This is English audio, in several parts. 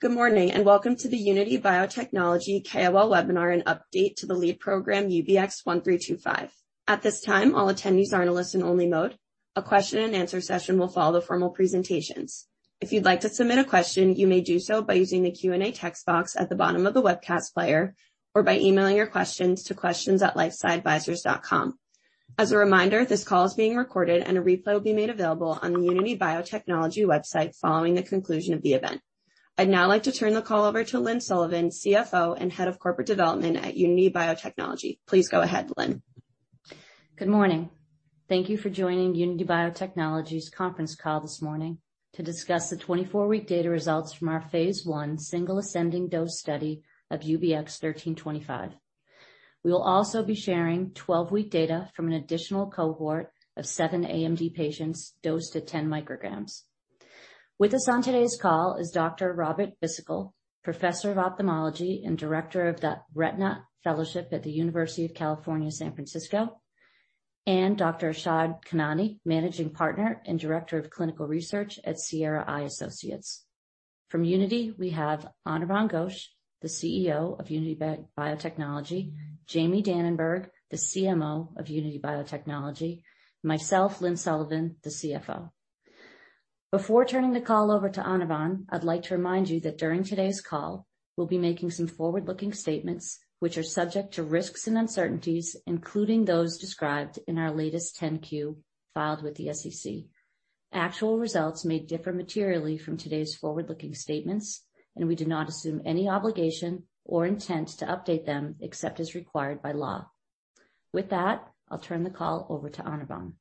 Good morning, and welcome to the Unity Biotechnology KOL Webinar, an update to the lead program, UBX1325. At this time, all attendees are in a listen-only mode. A question-and-answer session will follow the formal presentations. If you'd like to submit a question, you may do so by using the Q&A text box at the bottom of the webcast player or by emailing your questions to questions@lifesciadvisors.com. As a reminder, this call is being recorded, and a replay will be made available on the Unity Biotechnology website following the conclusion of the event. I'd now like to turn the call over to Lynne Sullivan, CFO and Head of Corporate Development at Unity Biotechnology. Please go ahead, Lynne. Good morning. Thank you for joining Unity Biotechnology's conference call this morning to discuss the 24-week data results from our phase I single ascending dose study of UBX1325. We will also be sharing 12-week data from an additional cohort of 7 AMD patients dosed to 10 mcg. With us on today's call is Dr. Robert Bhisitkul, Professor of Ophthalmology and Director of the Retina Fellowship at the University of California, San Francisco, and Dr. Arshad Khanani, Managing Partner and Director of Clinical Research at Sierra Eye Associates. From Unity, we have Anirvan Ghosh, the CEO of Unity Biotechnology, Jamie Dananberg, the CMO of Unity Biotechnology, myself, Lynne Sullivan, the CFO. Before turning the call over to Anirvan, I'd like to remind you that during today's call, we'll be making some forward-looking statements which are subject to risks and uncertainties, including those described in our latest 10-Q filed with the SEC. Actual results may differ materially from today's forward-looking statements, and we do not assume any obligation or intent to update them except as required by law. With that, I'll turn the call over to Anirvan.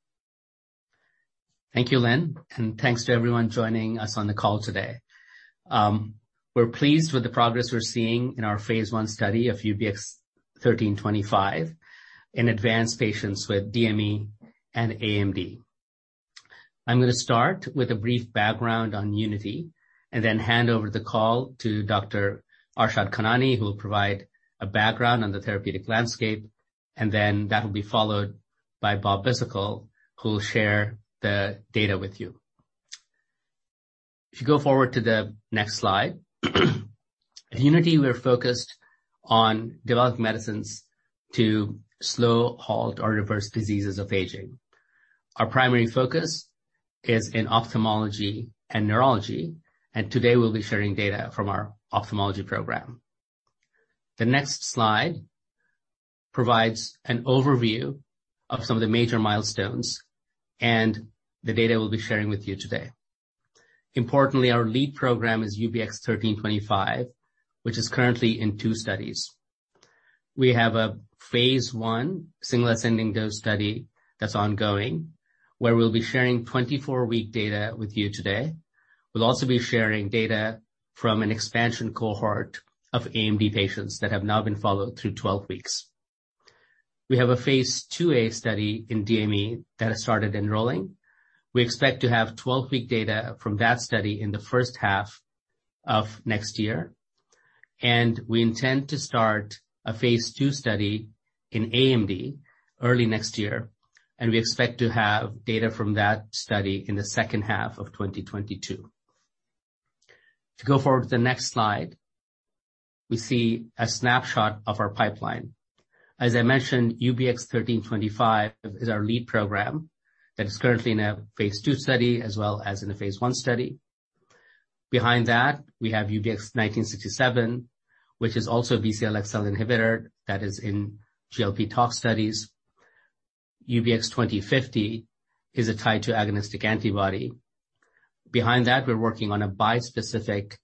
Thank you, Lynn, and thanks to everyone joining us on the call today. We're pleased with the progress we're seeing in our phase I study of UBX1325 in advanced patients with DME and AMD. I'm going to start with a brief background on Unity and then hand over the call to Dr. Arshad Khanani, who will provide a background on the therapeutic landscape. Then that will be followed by Bob Bhisitkul, who will share the data with you. If you go forward to the next slide, at Unity, we are focused on developing medicines to slow, halt, or reverse diseases of aging. Our primary focus is in ophthalmology and neurology, and today we'll be sharing data from our ophthalmology program. The next slide provides an overview of some of the major milestones and the data we'll be sharing with you today. Importantly, our lead program is UBX1325, which is currently in two studies. We have a phase I single ascending dose study that's ongoing, where we'll be sharing 24-week data with you today. We'll also be sharing data from an expansion cohort of AMD patients that have now been followed through 12 weeks. We have a phase II-A study in DME that has started enrolling. We expect to have 12-week data from that study in the first half of next year, and we intend to start a phase II study in AMD early next year, and we expect to have data from that study in the second half of 2022. If you go forward to the next slide, we see a snapshot of our pipeline. As I mentioned, UBX1325 is our lead program that is currently in a phase II study as well as in a phase I study. Behind that, we have UBX1967, which is also a BCL-xL inhibitor that is in GLP tox studies. UBX2050 is a TIE2 agonistic antibody. Behind that, we're working on a bispecific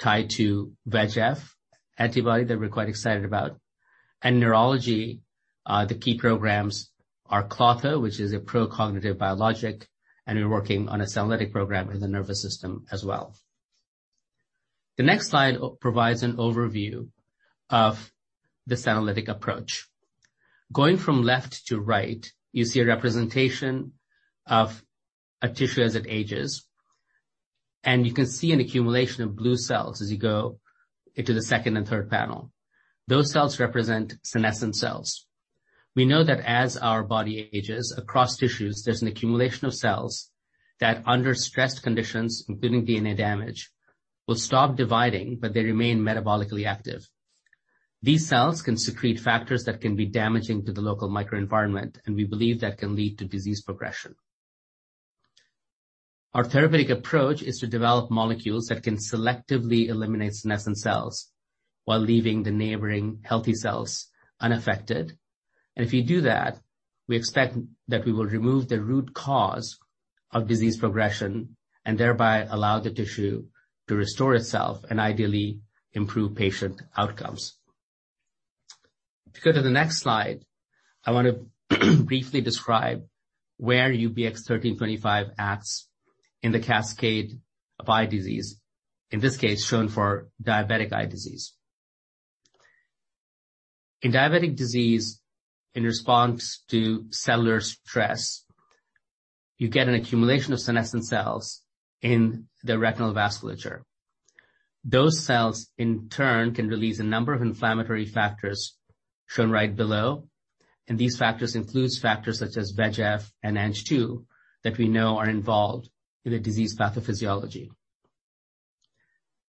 TIE2 VEGF antibody that we're quite excited about. In neurology, the key programs are Klotho, which is a pro-cognitive biologic, and we're working on a senolytic program in the nervous system as well. The next slide provides an overview of the senolytic approach. Going from left to right, you see a representation of a tissue as it ages, and you can see an accumulation of blue cells as you go into the second and third panel. Those cells represent senescent cells. We know that as our body ages across tissues, there's an accumulation of cells that under stressed conditions, including DNA damage, will stop dividing, but they remain metabolically active. These cells can secrete factors that can be damaging to the local microenvironment, and we believe that can lead to disease progression. Our therapeutic approach is to develop molecules that can selectively eliminate senescent cells while leaving the neighboring healthy cells unaffected. If you do that, we expect that we will remove the root cause of disease progression and thereby allow the tissue to restore itself and ideally improve patient outcomes. If you go to the next slide, I want to briefly describe where UBX1325 acts in the cascade of eye disease, in this case, shown for diabetic eye disease. In diabetic disease, in response to cellular stress, you get an accumulation of senescent cells in the retinal vasculature. Those cells, in turn, can release a number of inflammatory factors shown right below. These factors includes factors such as VEGF and Ang-2 that we know are involved in the disease pathophysiology.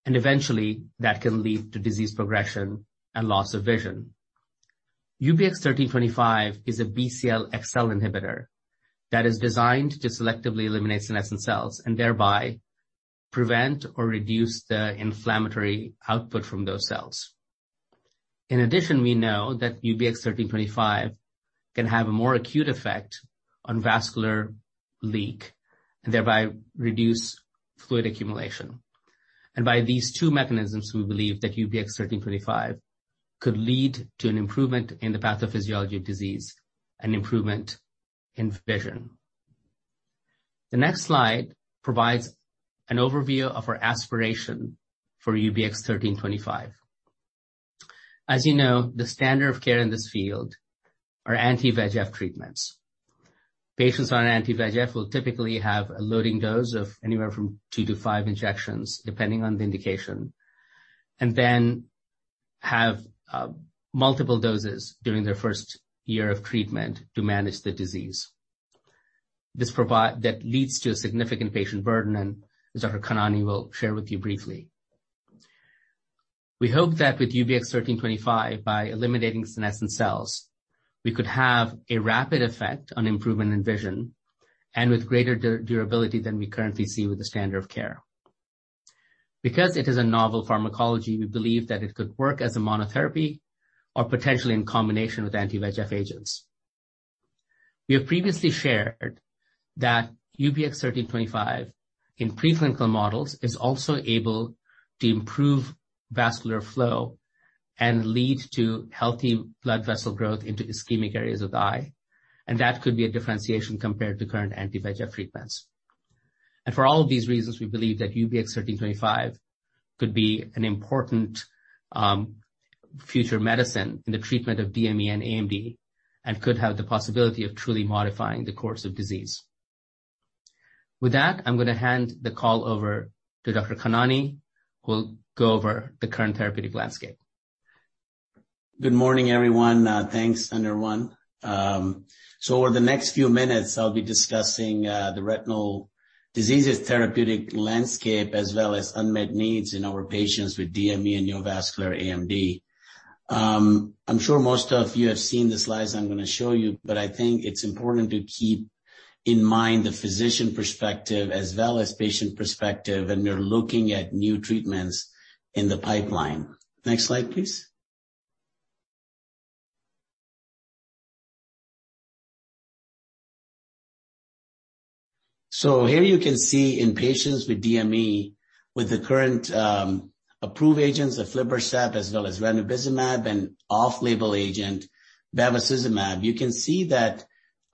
Eventually, that can lead to disease progression and loss of vision. UBX1325 is a BCL-xL inhibitor that is designed to selectively eliminate senescent cells and thereby prevent or reduce the inflammatory output from those cells. In addition, we know that UBX1325 can have a more acute effect on vascular leak and thereby reduce fluid accumulation. By these two mechanisms, we believe that UBX1325 could lead to an improvement in the pathophysiology of disease and improvement in vision. The next slide provides an overview of our aspiration for UBX1325. As you know, the standard of care in this field are anti-VEGF treatments. Patients on anti-VEGF will typically have a loading dose of anywhere from 2-5 injections, depending on the indication, and then have multiple doses during their first year of treatment to manage the disease. That leads to a significant patient burden, and Dr. Arshad Khanani will share with you briefly. We hope that with UBX1325, by eliminating senescent cells, we could have a rapid effect on improvement in vision and with greater durability than we currently see with the standard of care. Because it is a novel pharmacology, we believe that it could work as a monotherapy or potentially in combination with anti-VEGF agents. We have previously shared that UBX1325 in preclinical models is also able to improve vascular flow and lead to healthy blood vessel growth into ischemic areas of the eye, and that could be a differentiation compared to current anti-VEGF treatments. For all of these reasons, we believe that UBX1325 could be an important future medicine in the treatment of DME and AMD and could have the possibility of truly modifying the course of disease. With that, I'm going to hand the call over to Dr. Arshad Khanani, who will go over the current therapeutic landscape. Good morning, everyone. Thanks, Anirvan. Over the next few minutes, I'll be discussing the retinal diseases therapeutic landscape, as well as unmet needs in our patients with DME and neovascular AMD. I'm sure most of you have seen the slides I'm going to show you, but I think it's important to keep in mind the physician perspective as well as patient perspective when we are looking at new treatments in the pipeline. Next slide, please. Here you can see in patients with DME, with the current approved agents, aflibercept as well as ranibizumab and off-label agent bevacizumab, you can see that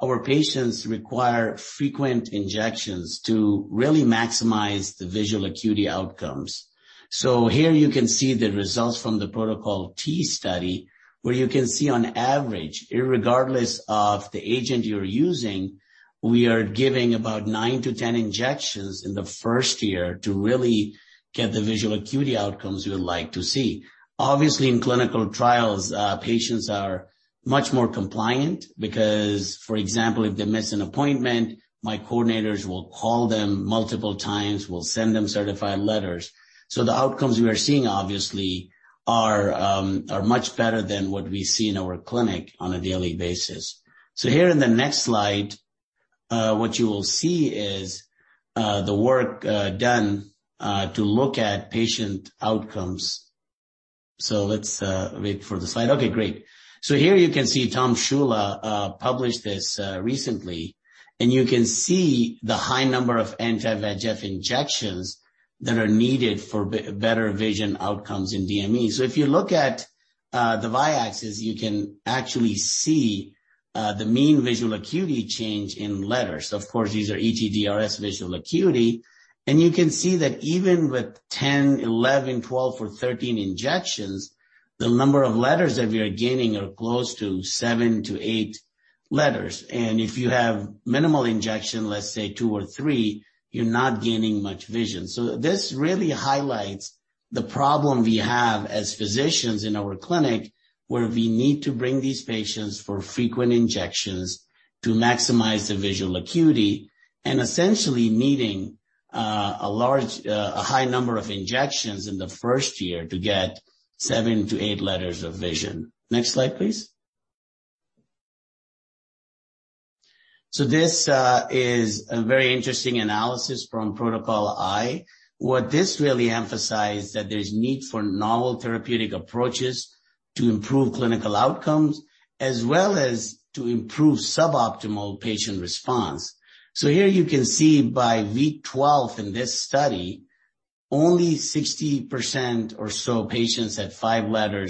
our patients require frequent injections to really maximize the visual acuity outcomes. Here you can see the results from the Protocol T study, where you can see, on average, irregardless of the agent you're using, we are giving about 9-10 injections in the first year to really get the visual acuity outcomes we would like to see. Obviously, in clinical trials, patients are much more compliant because, for example, if they miss an appointment, my coordinators will call them multiple times. We'll send them certified letters. The outcomes we are seeing obviously are much better than what we see in our clinic on a daily basis. Here in the next slide, what you will see is the work done to look at patient outcomes. Let's wait for the slide. Okay, great. Here you can see Tom Ciulla published this recently, and you can see the high number of anti-VEGF injections that are needed for better vision outcomes in DME. If you look at the y-axis, you can actually see the mean visual acuity change in letters. Of course, these are ETDRS visual acuity. You can see that even with 10, 11, 12 or 13 injections, the number of letters that we are gaining are close to 7-8 letters. If you have minimal injection, let's say 2 or 3, you're not gaining much vision. This really highlights the problem we have as physicians in our clinic, where we need to bring these patients for frequent injections to maximize the visual acuity and essentially needing a high number of injections in the first year to get 7-8 letters of vision. Next slide, please. This is a very interesting analysis from Protocol I. What this really emphasized that there's need for novel therapeutic approaches to improve clinical outcomes as well as to improve suboptimal patient response. Here you can see by week 12 in this study, only 60% or so patients had 5-letter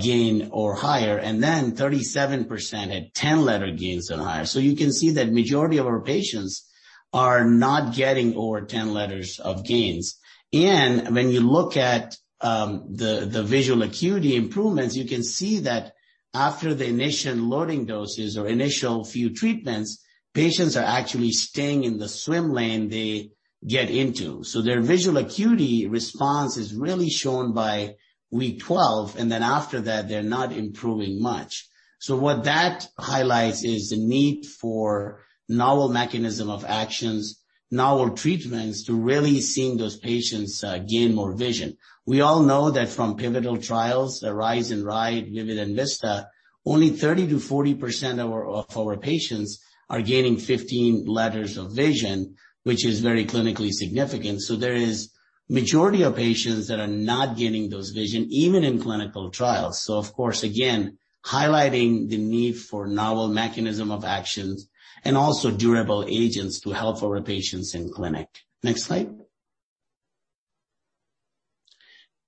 gain or higher, and then 37% had 10-letter gains or higher. You can see that majority of our patients are not getting over 10 letters of gains. When you look at the visual acuity improvements, you can see that after the initial loading doses or initial few treatments, patients are actually staying in the swim lane. Their visual acuity response is really shown by week 12, and then after that they're not improving much. What that highlights is the need for novel mechanism of actions, novel treatments to really seeing those patients gain more vision. We all know that from pivotal trials, the RISE and RIDE, VIVID and VISTA, only 30%-40% of our patients are gaining 15 letters of vision, which is very clinically significant. There is majority of patients that are not gaining those vision even in clinical trials. Of course, again, highlighting the need for novel mechanism of actions and also durable agents to help our patients in clinic. Next slide.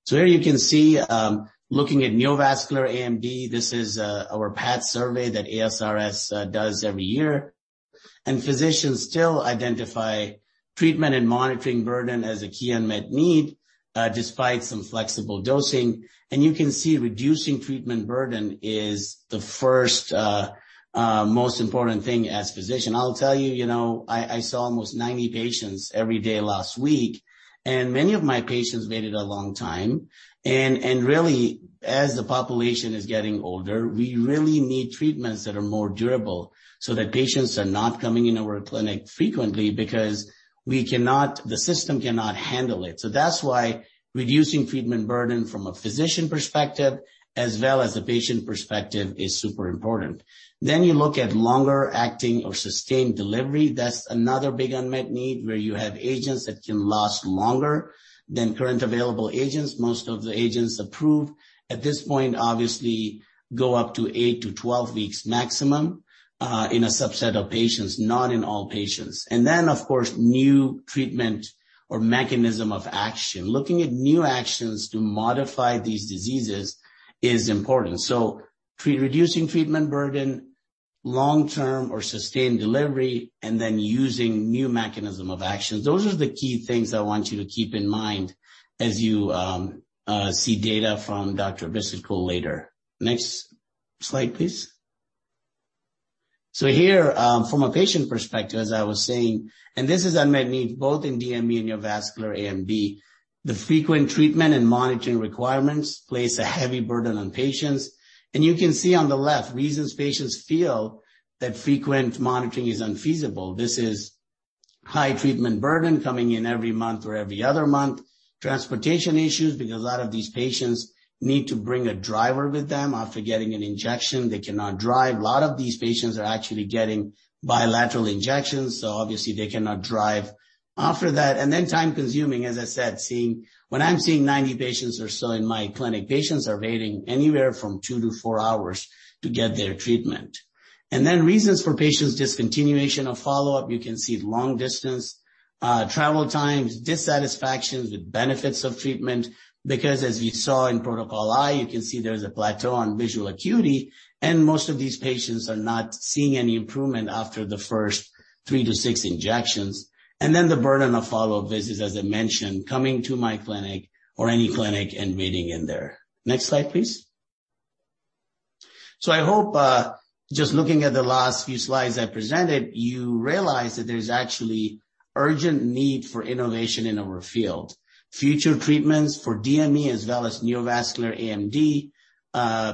Here you can see, looking at neovascular AMD, this is our PAT Survey that ASRS does every year. Physicians still identify treatment and monitoring burden as a key unmet need, despite some flexible dosing. You can see reducing treatment burden is the first, most important thing as physician. I'll tell you know, I saw almost 90 patients every day last week, and many of my patients waited a long time. And really, as the population is getting older, we really need treatments that are more durable so that patients are not coming into our clinic frequently because the system cannot handle it. That's why reducing treatment burden from a physician perspective as well as a patient perspective is super important. You look at longer-acting or sustained delivery. That's another big unmet need where you have agents that can last longer than current available agents. Most of the agents approved at this point, obviously go up to 8-12 weeks maximum, in a subset of patients, not in all patients. Then of course, new treatment or mechanism of action. Looking at new actions to modify these diseases is important. Reducing treatment burden, long-term or sustained delivery, and then using new mechanism of actions. Those are the key things I want you to keep in mind as you see data from Dr. Robert Bhisitkul later. Next slide, please. Here, from a patient perspective, as I was saying, and this is unmet need both in DME and neovascular AMD. The frequent treatment and monitoring requirements place a heavy burden on patients. You can see on the left reasons patients feel that frequent monitoring is unfeasible. This is high treatment burden coming in every month or every other month. Transportation issues, because a lot of these patients need to bring a driver with them after getting an injection, they cannot drive. A lot of these patients are actually getting bilateral injections, so obviously they cannot drive after that. Time-consuming, as I said, when I'm seeing 90 patients or so in my clinic, patients are waiting anywhere from 2-4 hours to get their treatment. Reasons for patients' discontinuation of follow-up. You can see long distance travel times, dissatisfaction with benefits of treatment, because as you saw in Protocol I, you can see there's a plateau on visual acuity, and most of these patients are not seeing any improvement after the first 3-6 injections. The burden of follow-up visits, as I mentioned, coming to my clinic or any clinic and waiting in there. Next slide, please. I hope just looking at the last few slides I presented, you realize that there's actually urgent need for innovation in our field. Future treatments for DME as well as neovascular AMD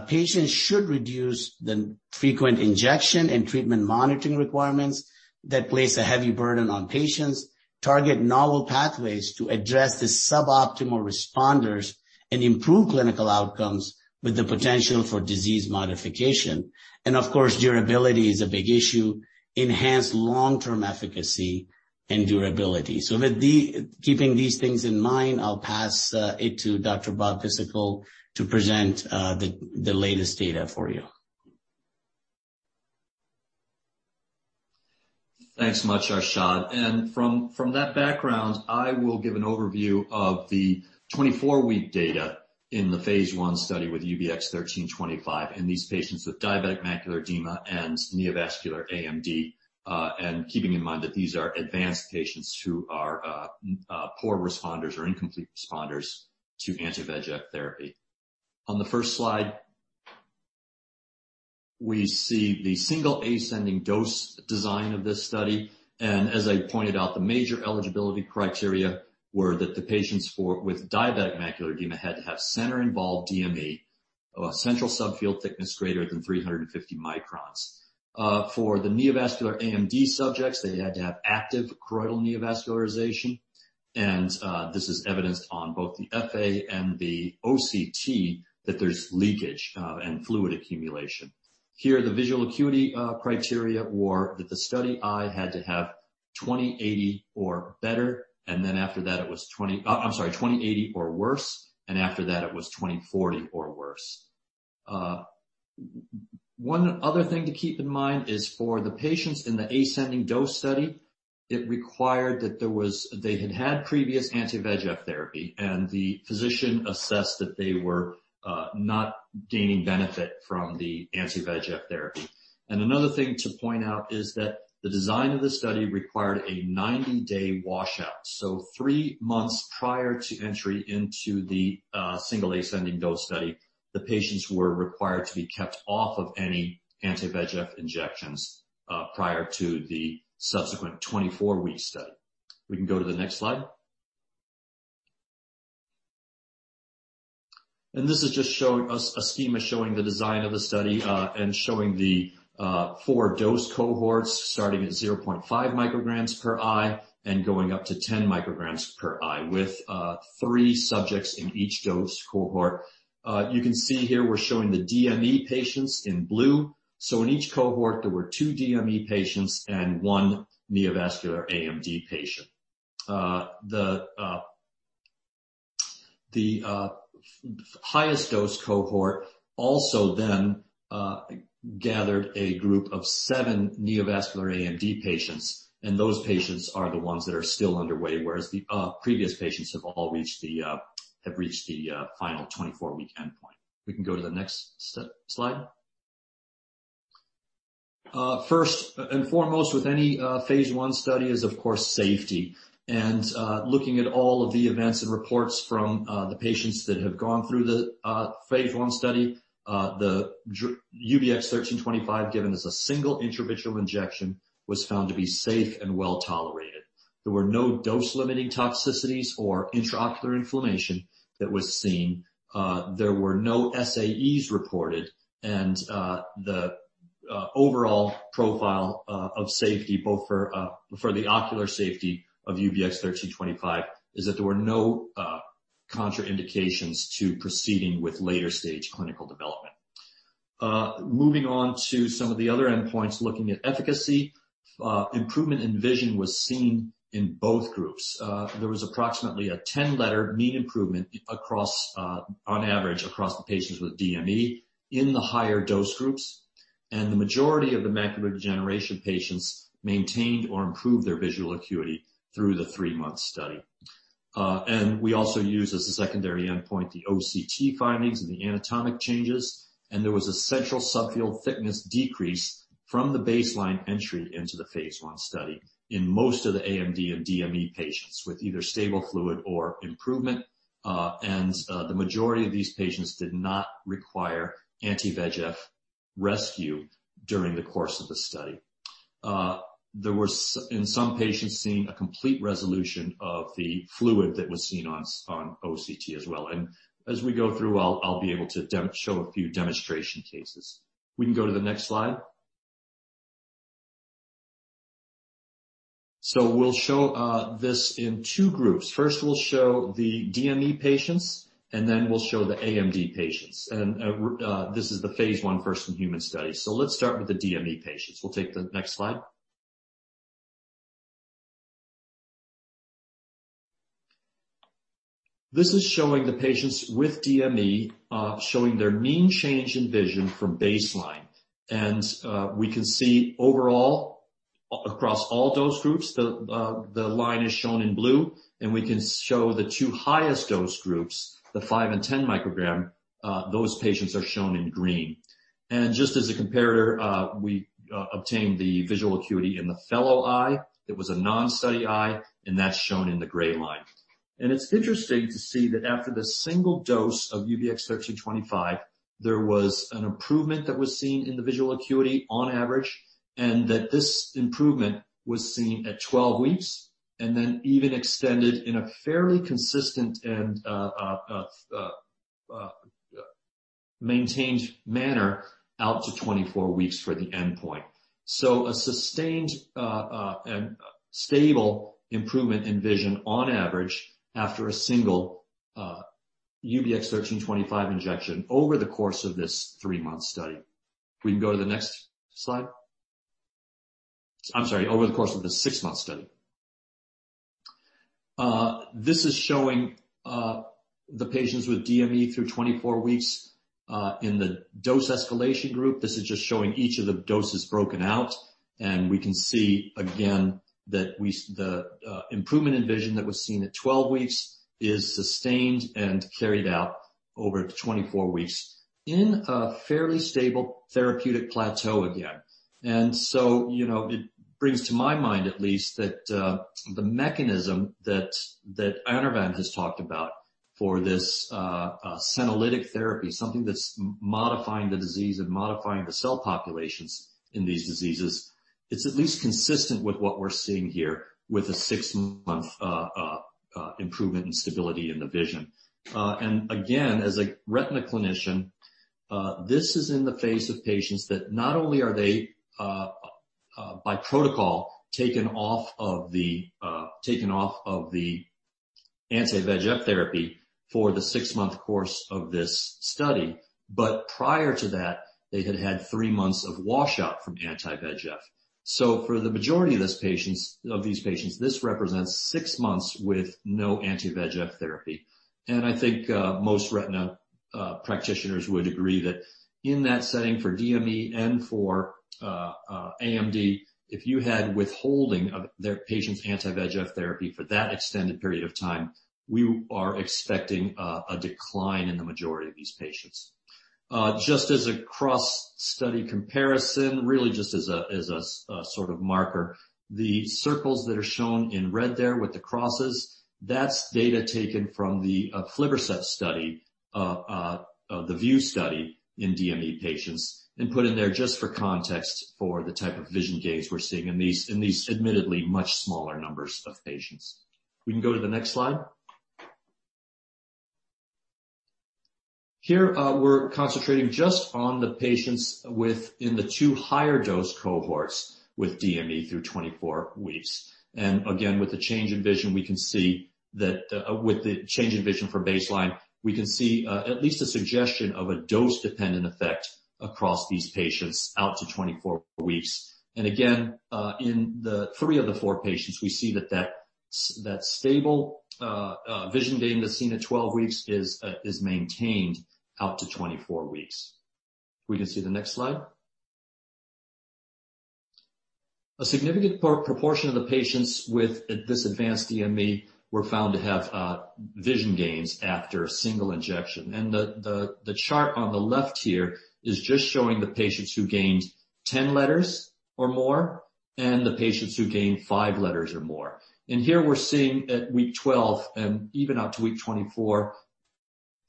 patients should reduce the frequent injection and treatment monitoring requirements that place a heavy burden on patients. Target novel pathways to address the suboptimal responders and improve clinical outcomes with the potential for disease modification. Of course, durability is a big issue. Enhance long-term efficacy and durability. Keeping these things in mind, I'll pass it to Dr. Bob Bhisitkul to present the latest data for you. Thanks much, Arshad. From that background, I will give an overview of the 24-week data in the phase I study with UBX1325 in these patients with diabetic macular edema and neovascular AMD. Keeping in mind that these are advanced patients who are poor responders or incomplete responders to anti-VEGF therapy. On the first slide, we see the single ascending dose design of this study. As I pointed out, the major eligibility criteria were that the patients with diabetic macular edema had to have center involved DME, central subfield thickness greater than 350 microns. For the neovascular AMD subjects, they had to have active choroidal neovascularization. This is evidenced on both the FA and the OCT that there's leakage and fluid accumulation. Here, the visual acuity criteria were that the study eye had to have 20/80 or better, and then after that it was 20/80 or worse, and after that it was 20/40 or worse. One other thing to keep in mind is for the patients in the ascending dose study, it required that they had had previous anti-VEGF therapy, and the physician assessed that they were not gaining benefit from the anti-VEGF therapy. Another thing to point out is that the design of the study required a 90-day washout. Three months prior to entry into the single ascending dose study, the patients were required to be kept off of any anti-VEGF injections prior to the subsequent 24-week study. We can go to the next slide. This is just showing us a schema showing the design of the study and showing the four dose cohorts starting at 0.5 mcg per eye and going up to 10 mcg per eye, with three subjects in each dose cohort. You can see here we're showing the DME patients in blue. In each cohort, there were two DME patients and one neovascular AMD patient. The highest dose cohort also then gathered a group of 7 neovascular AMD patients, and those patients are the ones that are still underway, whereas the previous patients have all reached the final 24-week endpoint. We can go to the next slide. First and foremost with any phase I study is, of course, safety. Looking at all of the events and reports from the patients that have gone through the phase I study, UBX1325, given as a single intravitreal injection, was found to be safe and well-tolerated. There were no dose-limiting toxicities or intraocular inflammation that was seen. There were no SAEs reported. The overall profile of safety, both for the ocular safety of UBX1325, is that there were no contraindications to proceeding with later stage clinical development. Moving on to some of the other endpoints. Looking at efficacy, improvement in vision was seen in both groups. There was approximately a 10-letter mean improvement across, on average across the patients with DME in the higher dose groups. The majority of the macular degeneration patients maintained or improved their visual acuity through the 3-month study. We also used as a secondary endpoint the OCT findings and the anatomic changes. There was a central subfield thickness decrease from the baseline entry into the phase I study in most of the AMD and DME patients, with either stable fluid or improvement. The majority of these patients did not require anti-VEGF rescue during the course of the study. In some patients, a complete resolution of the fluid that was seen on OCT as well. As we go through, I'll be able to show a few demonstration cases. We can go to the next slide. We'll show this in two groups. First, we'll show the DME patients, and then we'll show the AMD patients. This is the phase I first-in-human study. Let's start with the DME patients. We'll take the next slide. This is showing the patients with DME, showing their mean change in vision from baseline. We can see overall, across all dose groups, the line is shown in blue. We can show the two highest dose groups, the 5 mcg and 10 mcg, those patients are shown in green. Just as a comparator, we obtained the visual acuity in the fellow eye. It was a non-study eye, and that's shown in the gray line. It's interesting to see that after the single dose of UBX1325, there was an improvement that was seen in the visual acuity on average, and that this improvement was seen at 12 weeks and then even extended in a fairly consistent and maintained manner out to 24 weeks for the endpoint. A sustained and stable improvement in vision on average after a single UBX1325 injection over the course of this three-month study. We can go to the next slide. I'm sorry, over the course of the six-month study. This is showing the patients with DME through 24 weeks in the dose escalation group. This is just showing each of the doses broken out, and we can see again the improvement in vision that was seen at 12 weeks is sustained and carried out over 24 weeks in a fairly stable therapeutic plateau again. You know, it brings to my mind at least the mechanism that Anirvan has talked about for this senolytic therapy, something that's modifying the disease and modifying the cell populations in these diseases. It's at least consistent with what we're seeing here with a 6-month improvement and stability in the vision. Again, as a retina clinician, this is in the face of patients that not only are they by protocol taken off of the anti-VEGF therapy for the 6-month course of this study. Prior to that, they had had three months of washout from anti-VEGF. For the majority of these patients, this represents six months with no anti-VEGF therapy. I think most retina practitioners would agree that in that setting, for DME and for AMD, if you had withholding of their patient's anti-VEGF therapy for that extended period of time, we are expecting a decline in the majority of these patients. Just as a cross-study comparison, really just as a sort of marker. The circles that are shown in red there with the crosses, that's data taken from the aflibercept study, the VIEW study in DME patients, and put in there just for context for the type of vision gains we're seeing in these, in these admittedly much smaller numbers of patients. We can go to the next slide. Here, we're concentrating just on the patients in the two higher dose cohorts with DME through 24 weeks. Again, with the change in vision, we can see that with the change in vision for baseline, we can see at least a suggestion of a dose-dependent effect across these patients out to 24 weeks. Again, in the three of the four patients, we see that that stable vision gain that's seen at 12 weeks is maintained out to 24 weeks. We can see the next slide. A significant proportion of the patients with this advanced DME were found to have vision gains after a single injection. The chart on the left here is just showing the patients who gained 10 letters or more and the patients who gained five letters or more. Here we're seeing at week 12 and even out to week 24,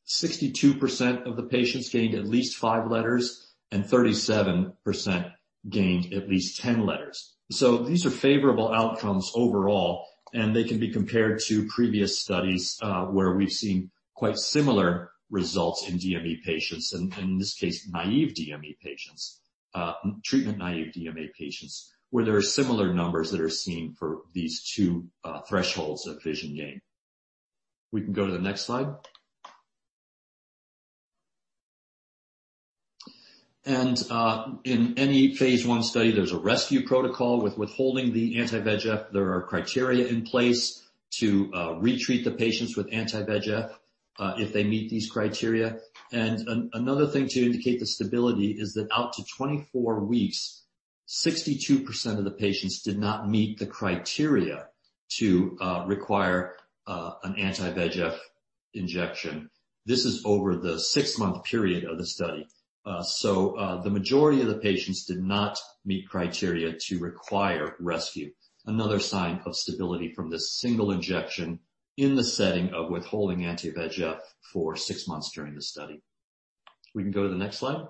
62% of the patients gained at least five letters and 37% gained at least 10 letters. These are favorable outcomes overall, and they can be compared to previous studies, where we've seen quite similar results in DME patients and in this case, naive DME patients, treatment-naive DME patients, where there are similar numbers that are seen for these two thresholds of vision gain. We can go to the next slide. In any phase I study, there's a rescue protocol with withholding the anti-VEGF. There are criteria in place to retreat the patients with anti-VEGF if they meet these criteria. Another thing to indicate the stability is that out to 24 weeks, 62% of the patients did not meet the criteria to require an anti-VEGF injection. This is over the six-month period of the study. The majority of the patients did not meet criteria to require rescue. Another sign of stability from this single injection in the setting of withholding anti-VEGF for six months during the study. We can go to the next slide.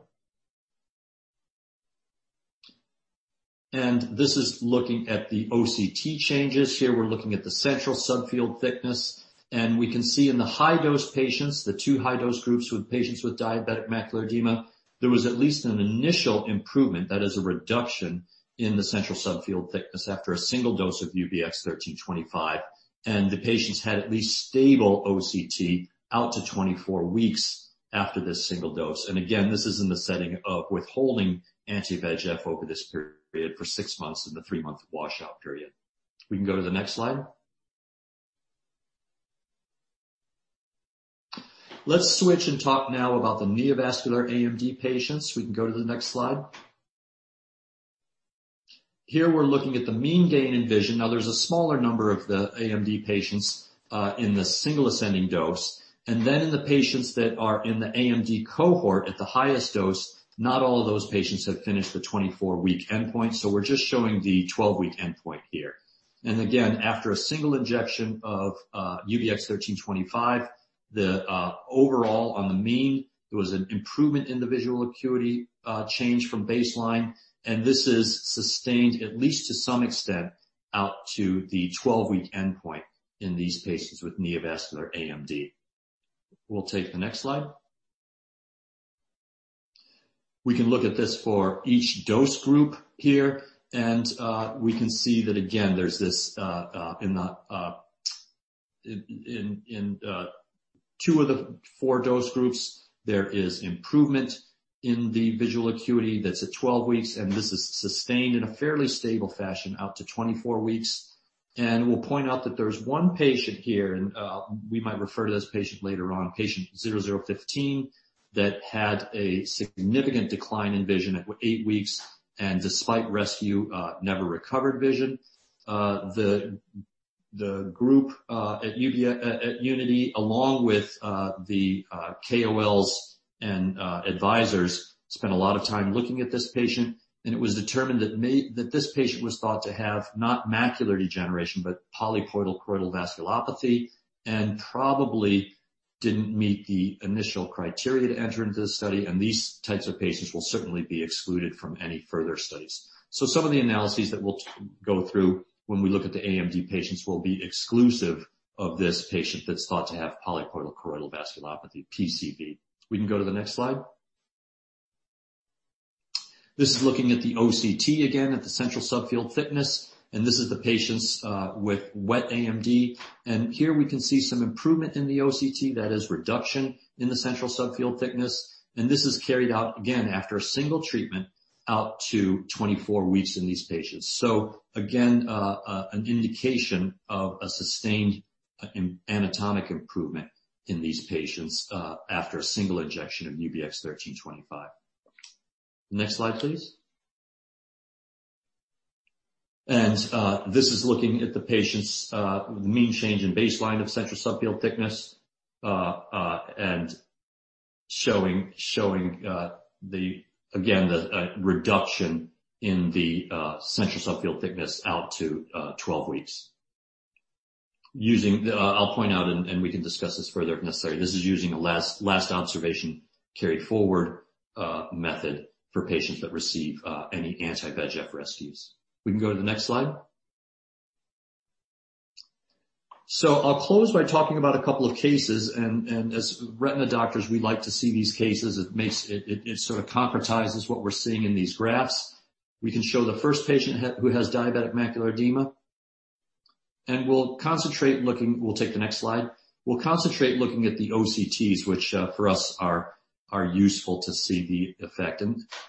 This is looking at the OCT changes. Here, we're looking at the central subfield thickness, and we can see in the high-dose patients, the two high-dose groups with patients with diabetic macular edema, there was at least an initial improvement. That is a reduction in the central subfield thickness after a single dose of UBX1325, and the patients had at least stable OCT out to 24 weeks after this single dose. Again, this is in the setting of withholding anti-VEGF over this period for six months in the three-month washout period. We can go to the next slide. Let's switch and talk now about the neovascular AMD patients. We can go to the next slide. Here, we're looking at the mean gain in vision. Now, there's a smaller number of the AMD patients in the single ascending dose. And then in the patients that are in the AMD cohort at the highest dose, not all of those patients have finished the 24-week endpoint. We're just showing the 12-week endpoint here. Again, after a single injection of UBX1325, the overall mean, there was an improvement in the visual acuity change from baseline, and this is sustained at least to some extent out to the 12-week endpoint in these patients with neovascular AMD. We'll take the next slide. We can look at this for each dose group here. We can see that again, there's this in two of the four dose groups, there is improvement in the visual acuity that's at 12 weeks, and this is sustained in a fairly stable fashion out to 24 weeks. We'll point out that there's one patient here, and we might refer to this patient later on, patient 0015, that had a significant decline in vision at week eight and despite rescue never recovered vision. The group at Unity, along with the KOLs and advisors, spent a lot of time looking at this patient. It was determined that this patient was thought to have not macular degeneration, but polypoidal choroidal vasculopathy, and probably didn't meet the initial criteria to enter into this study. These types of patients will certainly be excluded from any further studies. Some of the analyses that we'll go through when we look at the AMD patients will be exclusive of this patient that's thought to have polypoidal choroidal vasculopathy, PCV. We can go to the next slide. This is looking at the OCT again at the central subfield thickness, and this is the patients with wet AMD. Here we can see some improvement in the OCT, that is reduction in the central subfield thickness. This is carried out again after a single treatment out to 24 weeks in these patients. Again, an indication of a sustained anatomic improvement in these patients after a single injection of UBX1325. Next slide, please. This is looking at the patient's mean change in baseline of central subfield thickness and showing, again, the reduction in the central subfield thickness out to 12 weeks. I'll point out and we can discuss this further if necessary. This is using a last observation carried forward method for patients that receive any anti-VEGF rescues. We can go to the next slide. I'll close by talking about a couple of cases, and as retina doctors, we like to see these cases. It makes it sort of concretizes what we're seeing in these graphs. We can show the first patient who has diabetic macular edema. We'll take the next slide. We'll concentrate looking at the OCTs, which for us are useful to see the effect.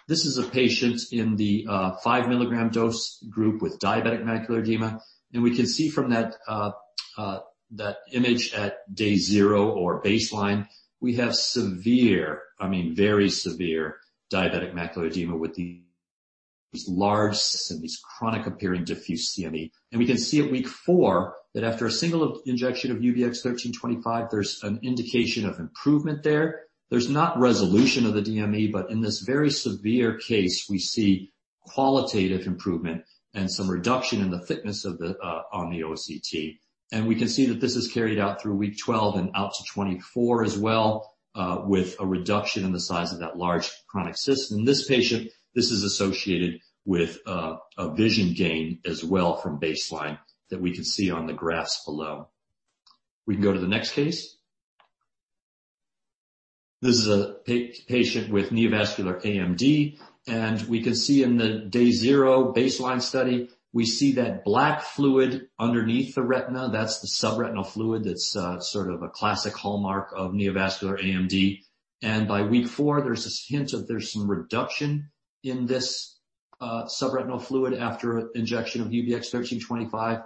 This is a patient in the 5-milligram dose group with diabetic macular edema. We can see from that image at day zero or baseline, we have severe, I mean, very severe diabetic macular edema with these large cysts and these chronic-appearing diffuse CME. We can see at week four that after a single injection of UBX1325, there's an indication of improvement there. There's not resolution of the DME, but in this very severe case, we see qualitative improvement and some reduction in the thickness on the OCT. We can see that this is carried out through week 12 and out to 24 as well, with a reduction in the size of that large chronic cyst. In this patient, this is associated with a vision gain as well from baseline that we can see on the graphs below. We can go to the next case. This is a patient with neovascular AMD, and we can see in the day zero baseline study, we see that black fluid underneath the retina. That's the subretinal fluid that's sort of a classic hallmark of neovascular AMD. By week four, there's this hint that there's some reduction in this subretinal fluid after injection of UBX1325.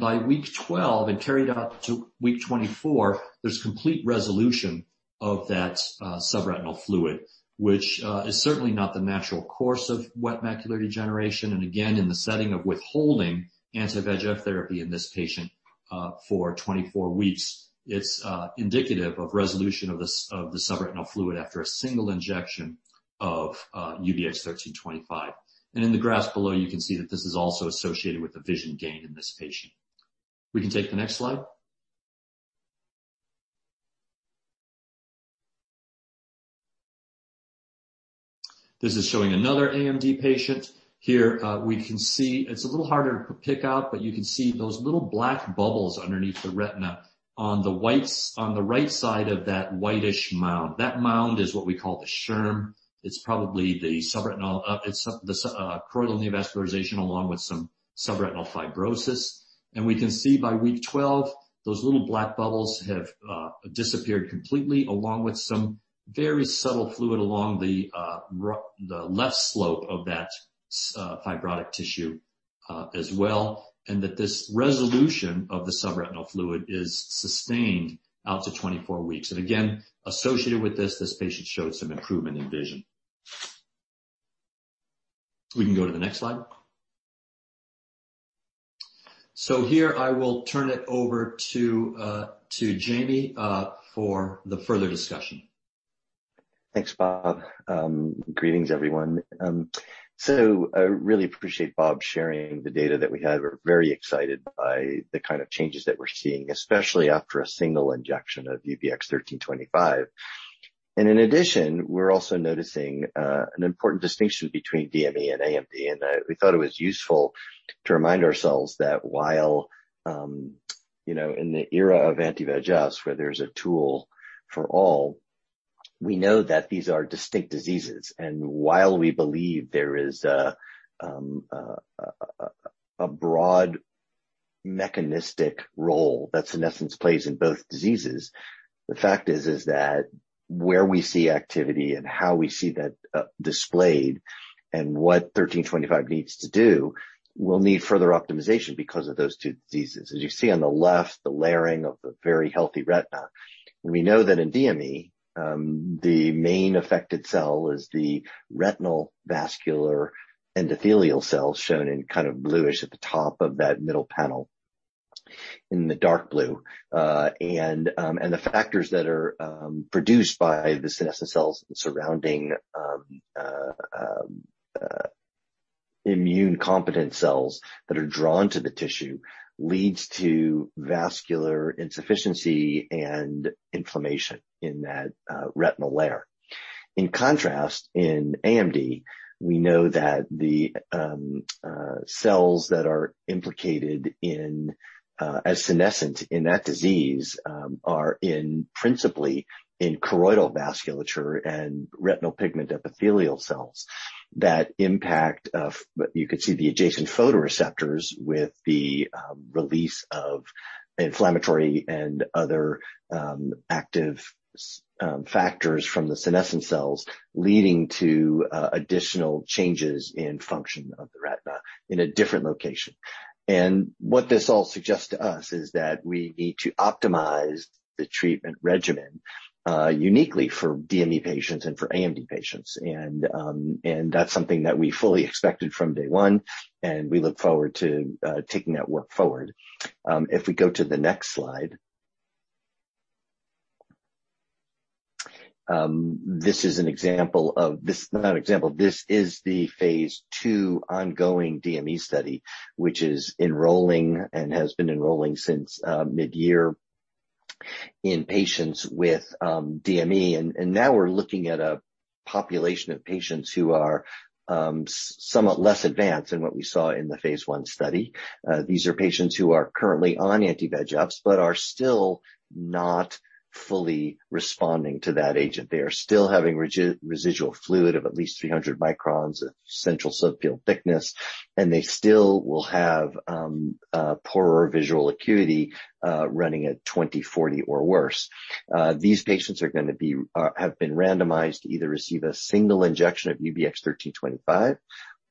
By week 12, and carried out to week 24, there's complete resolution of that subretinal fluid, which is certainly not the natural course of wet macular degeneration. Again, in the setting of withholding anti-VEGF therapy in this patient for 24 weeks, it's indicative of resolution of the subretinal fluid after a single injection of UBX1325. In the graphs below, you can see that this is also associated with the vision gain in this patient. We can take the next slide. This is showing another AMD patient. Here, we can see it's a little harder to pick out, but you can see those little black bubbles underneath the retina on the right side of that whitish mound. That mound is what we call the SHRM. It's probably the subretinal, it's the choroidal neovascularization along with some subretinal fibrosis. We can see by week 12, those little black bubbles have disappeared completely, along with some very subtle fluid along the left slope of that fibrotic tissue as well, and that this resolution of the subretinal fluid is sustained out to 24 weeks. Again, associated with this patient showed some improvement in vision. We can go to the next slide. Here, I will turn it over to Jamie for the further discussion. Thanks, Bob. Greetings, everyone. I really appreciate Bob sharing the data that we have. We're very excited by the kind of changes that we're seeing, especially after a single injection of UBX1325. In addition, we're also noticing an important distinction between DME and AMD. We thought it was useful to remind ourselves that while, you know, in the era of anti-VEGFs, where there's a tool for all, we know that these are distinct diseases. While we believe there is a broad mechanistic role that senescence plays in both diseases, the fact is that where we see activity and how we see that displayed and what UBX1325 needs to do will need further optimization because of those two diseases. As you see on the left, the layering of the very healthy retina. We know that in DME, the main affected cell is the retinal vascular endothelial cells, shown in kind of bluish at the top of that middle panel in the dark blue. The factors that are produced by the senescent cells surrounding immunocompetent cells that are drawn to the tissue leads to vascular insufficiency and inflammation in that retinal layer. In contrast, in AMD, we know that the cells that are implicated as senescent in that disease are principally in choroidal vasculature and retinal pigment epithelial cells. You could see the adjacent photoreceptors with the release of inflammatory and other active factors from the senescent cells, leading to additional changes in function of the retina in a different location. What this all suggests to us is that we need to optimize the treatment regimen uniquely for DME patients and for AMD patients. That's something that we fully expected from day one, and we look forward to taking that work forward. If we go to the next slide. This is not an example. This is the phase II ongoing DME study, which is enrolling and has been enrolling since mid-year in patients with DME. Now we're looking at a population of patients who are somewhat less advanced than what we saw in the phase I study. These are patients who are currently on anti-VEGFs but are still not fully responding to that agent. They are still having residual fluid of at least 300 microns of central subfield thickness, and they still will have poorer visual acuity running at 20/40 or worse. These patients have been randomized to either receive a single injection of UBX1325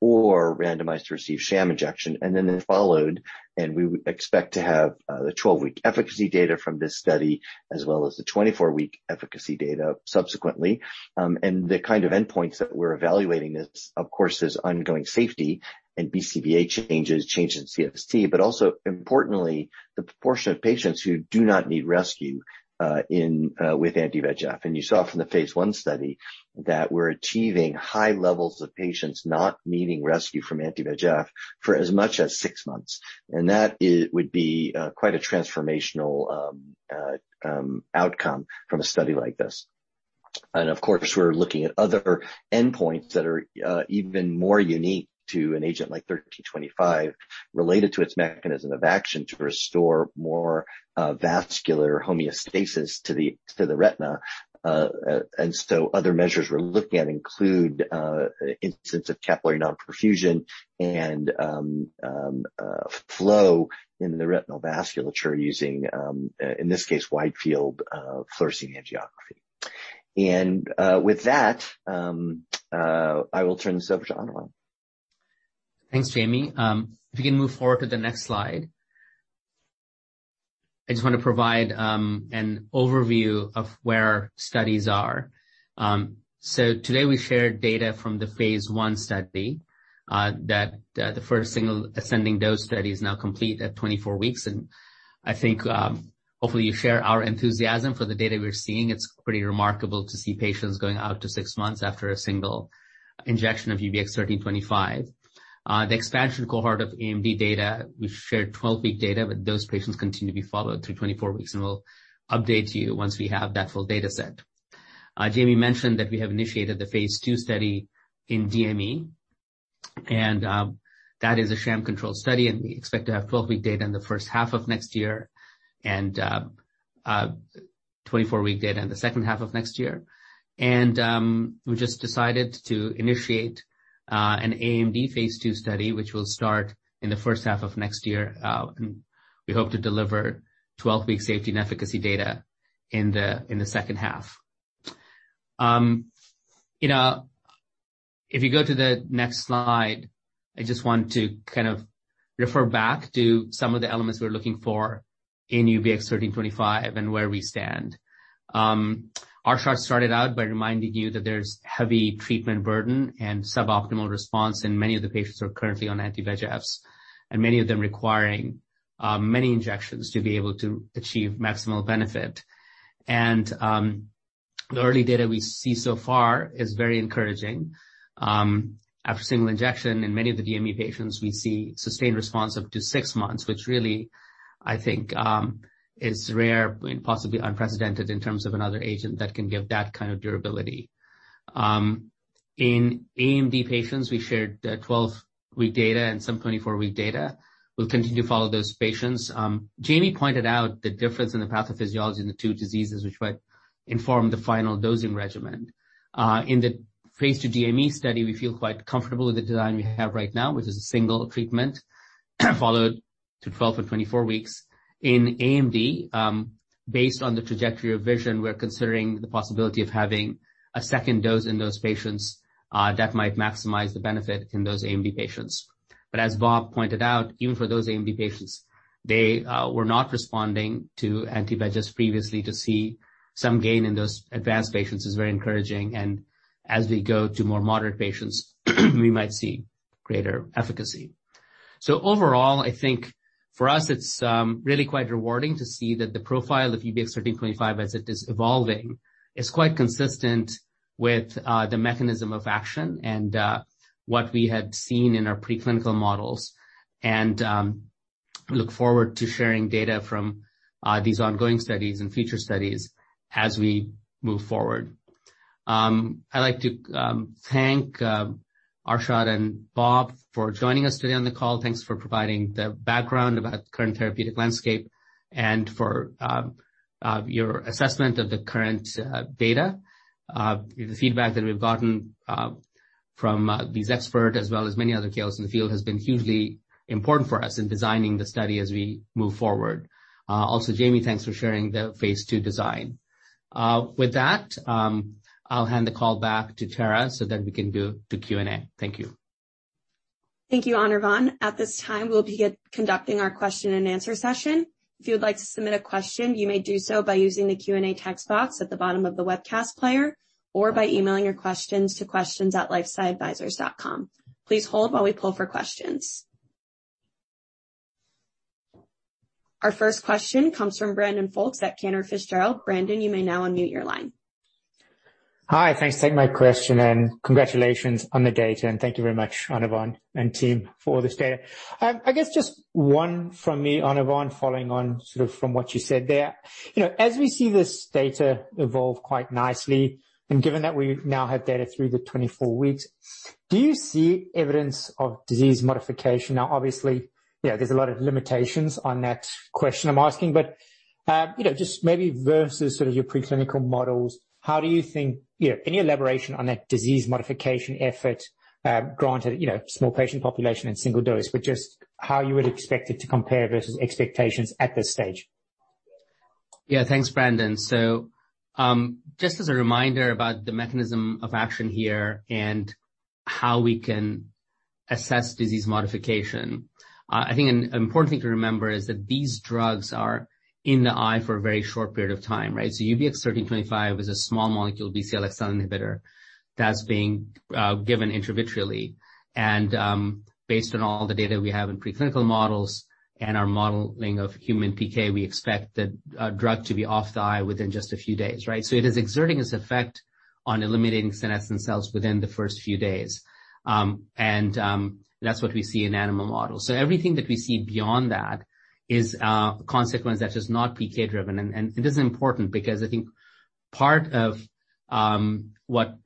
or randomized to receive sham injection and then they're followed, and we expect to have the 12-week efficacy data from this study as well as the 24-week efficacy data subsequently. The kind of endpoints that we're evaluating is, of course, ongoing safety and BCVA changes in CST, but also importantly, the proportion of patients who do not need rescue with anti-VEGF. You saw from the phase I study that we're achieving high levels of patients not needing rescue from anti-VEGF for as much as six months. That would be quite a transformational outcome from a study like this. Of course, we're looking at other endpoints that are even more unique to an agent like UBX1325 related to its mechanism of action to restore more vascular homeostasis to the retina. Other measures we're looking at include incidence of capillary non-perfusion and flow in the retinal vasculature using in this case wide-field fluorescein angiography. With that, I will turn this over to Anirvan. Thanks, Jamie. If you can move forward to the next slide. I just want to provide an overview of where our studies are. Today we shared data from the phase I study that the first single ascending dose study is now complete at 24 weeks. I think hopefully you share our enthusiasm for the data we're seeing. It's pretty remarkable to see patients going out to six months after a single injection of UBX1325. The expansion cohort of AMD data, we've shared 12-week data, but those patients continue to be followed through 24 weeks, and we'll update you once we have that full data set. Jamie mentioned that we have initiated the phase II study in DME, and that is a sham-controlled study, and we expect to have 12-week data in the first half of next year and 24-week data in the second half of next year. We just decided to initiate an AMD phase II study, which will start in the first half of next year. We hope to deliver 12-week safety and efficacy data in the second half. You know, if you go to the next slide, I just want to kind of refer back to some of the elements we're looking for in UBX1325 and where we stand. Arshad started out by reminding you that there's heavy treatment burden and suboptimal response, and many of the patients are currently on anti-VEGFs, and many of them requiring many injections to be able to achieve maximal benefit. The early data we see so far is very encouraging. After single injection in many of the DME patients, we see sustained response up to six months, which really I think is rare and possibly unprecedented in terms of another agent that can give that kind of durability. In AMD patients, we shared the 12-week data and some 24-week data. We'll continue to follow those patients. Jamie pointed out the difference in the pathophysiology in the two diseases which might inform the final dosing regimen. In the phase II DME study, we feel quite comfortable with the design we have right now, which is a single treatment followed to 12 and 24 weeks. In AMD, based on the trajectory of vision, we're considering the possibility of having a second dose in those patients that might maximize the benefit in those AMD patients. As Bob pointed out, even for those AMD patients, they were not responding to anti-VEGFs previously. To see some gain in those advanced patients is very encouraging and as we go to more moderate patients, we might see greater efficacy. Overall, I think for us it's really quite rewarding to see that the profile of UBX1325 as it is evolving is quite consistent with the mechanism of action and what we had seen in our preclinical models. We look forward to sharing data from these ongoing studies and future studies as we move forward. I'd like to thank Arshad and Bob for joining us today on the call. Thanks for providing the background about the current therapeutic landscape and for your assessment of the current data. The feedback that we've gotten from these experts as well as many other KOLs in the field has been hugely important for us in designing the study as we move forward. Also, Jamie, thanks for sharing the phase II design. With that, I'll hand the call back to Tara so that we can go to Q&A. Thank you. Thank you, Anirvan. At this time, we'll be conducting our question and answer session. If you would like to submit a question, you may do so by using the Q&A text box at the bottom of the webcast player or by emailing your questions to questions@lifesciadvisors.com. Please hold while we pull for questions. Our first question comes from Brandon Folkes at Cantor Fitzgerald. Brandon, you may now unmute your line. Hi. Thanks for taking my question, and congratulations on the data, and thank you very much, Anirvan and team, for this data. I guess just one from me, Anirvan, following on sort of from what you said there. You know, as we see this data evolve quite nicely, and given that we now have data through the 24 weeks, do you see evidence of disease modification? Now, obviously, yeah, there's a lot of limitations on that question I'm asking, but, you know, just maybe versus sort of your preclinical models, how do you think. You know, any elaboration on that disease modification effort, granted, you know, small patient population and single dose, but just how you would expect it to compare versus expectations at this stage. Yeah. Thanks, Brandon. Just as a reminder about the mechanism of action here and how we can assess disease modification, I think an important thing to remember is that these drugs are in the eye for a very short period of time, right? UBX1325 is a small molecule BCL-xL inhibitor that's being given intravitreally. Based on all the data we have in preclinical models and our modeling of human PK, we expect the drug to be off the eye within just a few days, right? It is exerting its effect on eliminating senescent cells within the first few days. That's what we see in animal models. Everything that we see beyond that is a consequence that is not PK-driven. It is important because I think part of what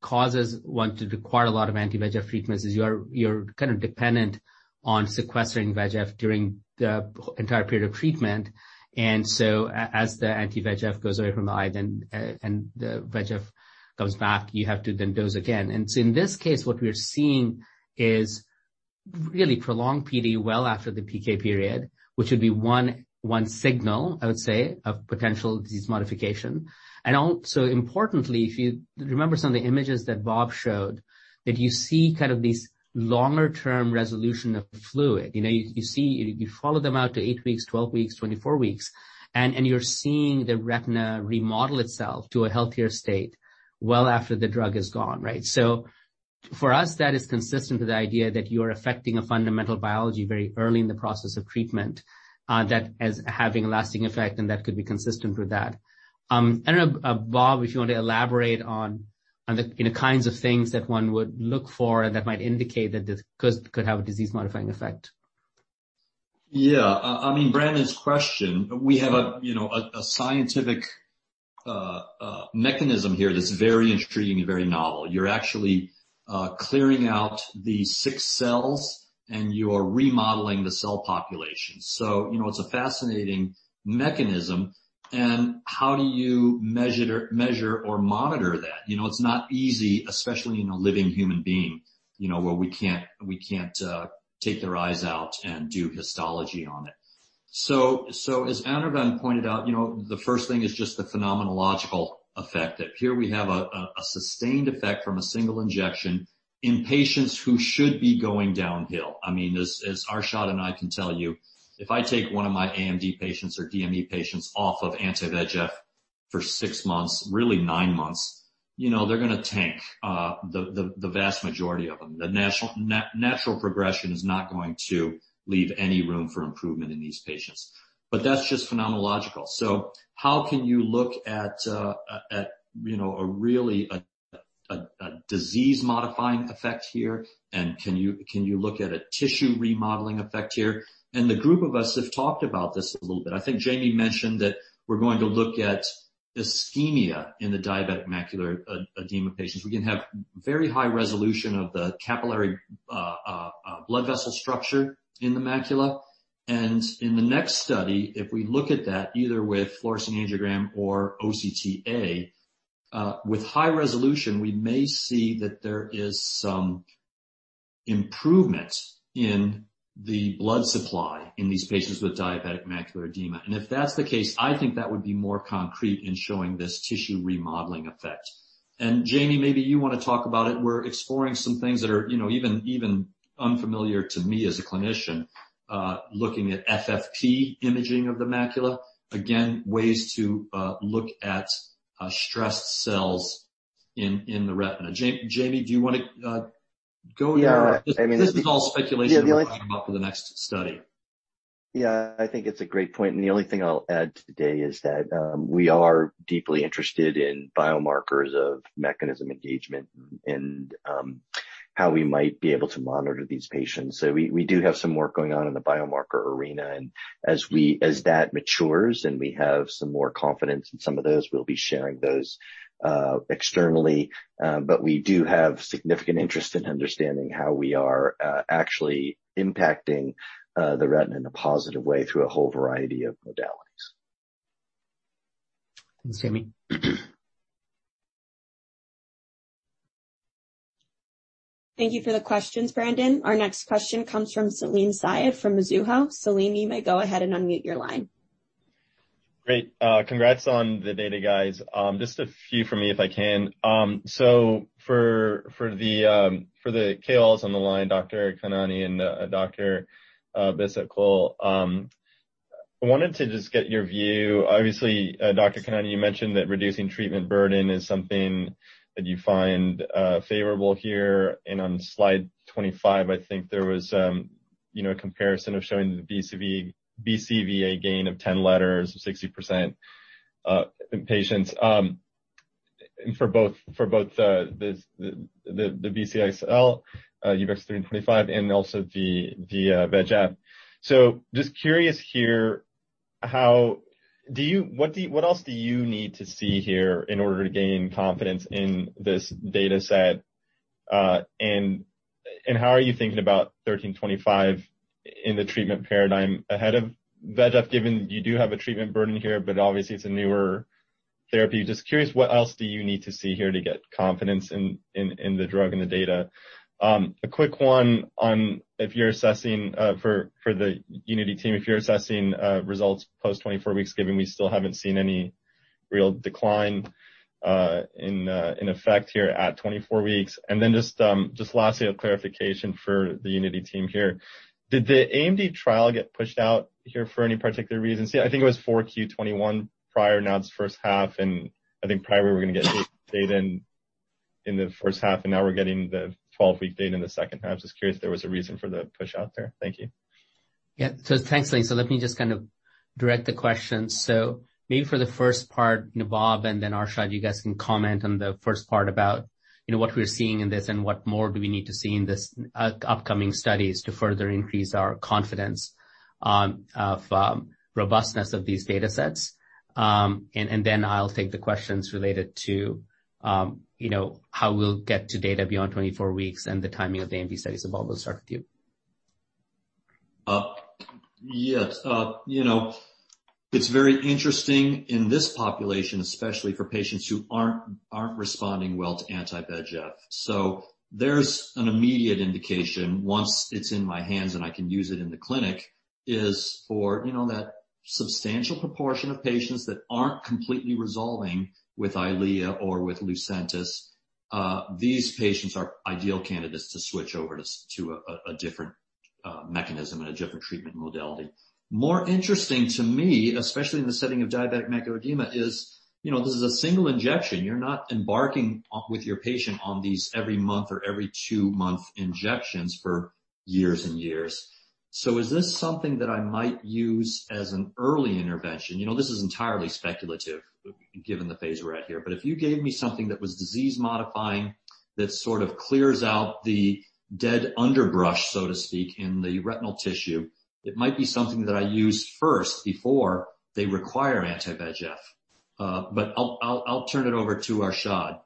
causes one to require a lot of anti-VEGF treatments is you're kind of dependent on sequestering VEGF during the entire period of treatment. As the anti-VEGF goes away from the eye, then, and the VEGF comes back, you have to then dose again. In this case, what we are seeing is really prolonged PD well after the PK period, which would be one signal, I would say, of potential disease modification. Also importantly, if you remember some of the images that Bob showed, that you see kind of this longer term resolution of fluid. You know, you see, you follow them out to eight weeks, 12 weeks, 24 weeks, and you're seeing the retina remodel itself to a healthier state well after the drug is gone, right? For us, that is consistent with the idea that you are affecting a fundamental biology very early in the process of treatment, that is having a lasting effect, and that could be consistent with that. I don't know, Bob, if you want to elaborate on the kinds of things that one would look for that might indicate that this could have a disease-modifying effect. Yeah. I mean, Brandon's question, we have a, you know, a scientific mechanism here that's very intriguing and very novel. You're actually clearing out the sick cells, and you're remodeling the cell population. So, you know, it's a fascinating mechanism. How do you measure or monitor that? You know, it's not easy, especially in a living human being, you know, where we can't take their eyes out and do histology on it. So as Anirvan pointed out, you know, the first thing is just the phenomenological effect, that here we have a sustained effect from a single injection in patients who should be going downhill. I mean, Arshad and I can tell you, if I take one of my AMD patients or DME patients off of anti-VEGF for six months, really nine months, you know, they're gonna tank, the vast majority of them. The natural progression is not going to leave any room for improvement in these patients. But that's just phenomenological. How can you look at, you know, a disease-modifying effect here? Can you look at a tissue remodeling effect here? The group of us have talked about this a little bit. I think Jamie mentioned that we're going to look at ischemia in the diabetic macular edema patients. We can have very high resolution of the capillary blood vessel structure in the macula. In the next study, if we look at that either with fluorescein angiography or OCTA, with high resolution, we may see that there is some improvement in the blood supply in these patients with diabetic macular edema. If that's the case, I think that would be more concrete in showing this tissue remodeling effect. Jamie, maybe you want to talk about it. We're exploring some things that are, you know, even unfamiliar to me as a clinician, looking at FAF imaging of the macula. Again, ways to look at stressed cells in the retina. Jamie, do you wanna go into that? Yeah. I mean. This is all speculation we're talking about for the next study. Yeah. I think it's a great point. The only thing I'll add today is that we are deeply interested in biomarkers of mechanism engagement and how we might be able to monitor these patients. We do have some work going on in the biomarker arena. As that matures and we have some more confidence in some of those, we'll be sharing those externally. But we do have significant interest in understanding how we are actually impacting the retina in a positive way through a whole variety of modalities. Thanks, Jamie. Thank you for the questions, Brandon. Our next question comes from Salim Syed from Mizuho. Salim, you may go ahead and unmute your line. Great. Congrats on the data, guys. Just a few from me, if I can. For the KOLs on the line, Dr. Arshad Khanani and Dr. Robert Bhisitkul, I wanted to just get your view. Obviously, Dr. Arshad Khanani, you mentioned that reducing treatment burden is something that you find favorable here. On slide 25, I think there was, you know, a comparison showing the BCVA gain of 10 letters, 60% in patients for both the BCL-xL UBX1325 and also the VEGF. Just curious here, what else do you need to see here in order to gain confidence in this data set? How are you thinking about UBX1325 in the treatment paradigm ahead of VEGF, given you do have a treatment burden here, but obviously it's a newer therapy. Just curious, what else do you need to see here to get confidence in the drug and the data? A quick one on if you're assessing, for the Unity team, results post 24 weeks, given we still haven't seen any real decline in effect here at 24 weeks. Just lastly, a clarification for the Unity team here. Did the AMD trial get pushed out here for any particular reason? See, I think it was 4Q 2021 prior, now it's first half, and I think prior we were going to get data in the first half, and now we're getting the 12-week data in the second half. Just curious if there was a reason for the push out there. Thank you. Yeah. Thanks, Salim. Let me just kind of direct the question. Maybe for the first part, Bob and then Arshad, you guys can comment on the first part about, you know, what we're seeing in this and what more do we need to see in this upcoming studies to further increase our confidence of robustness of these data sets. And then I'll take the questions related to, you know, how we'll get to data beyond 24 weeks and the timing of the AMD studies. Bob, we'll start with you. Yes. You know, it's very interesting in this population, especially for patients who aren't responding well to anti-VEGF. There's an immediate indication once it's in my hands and I can use it in the clinic for, you know, that substantial proportion of patients that aren't completely resolving with Eylea or with Lucentis. These patients are ideal candidates to switch over to a different mechanism and a different treatment modality. More interesting to me, especially in the setting of diabetic macular edema is, you know, this is a single injection. You're not embarking on with your patient on these every month or every two-month injections for years and years. Is this something that I might use as an early intervention? You know, this is entirely speculative given the phase we're at here. If you gave me something that was disease modifying that sort of clears out the dead underbrush, so to speak, in the retinal tissue, it might be something that I use first before they require anti-VEGF. I'll turn it over to Arshad.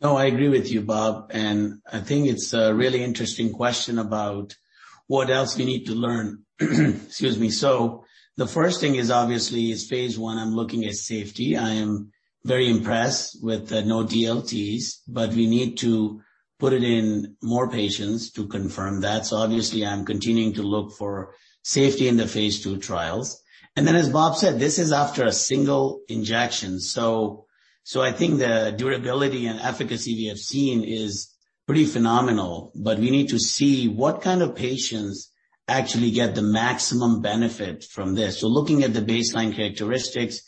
No, I agree with you, Bob, and I think it's a really interesting question about what else we need to learn. Excuse me. The first thing is obviously is phase I'm looking at safety. I am very impressed with no DLTs, but we need to put it in more patients to confirm that. Obviously, I'm continuing to look for safety in the phase II trials. Then, as Bob said, this is after a single injection. I think the durability and efficacy we have seen is pretty phenomenal. We need to see what kind of patients actually get the maximum benefit from this. Looking at the baseline characteristics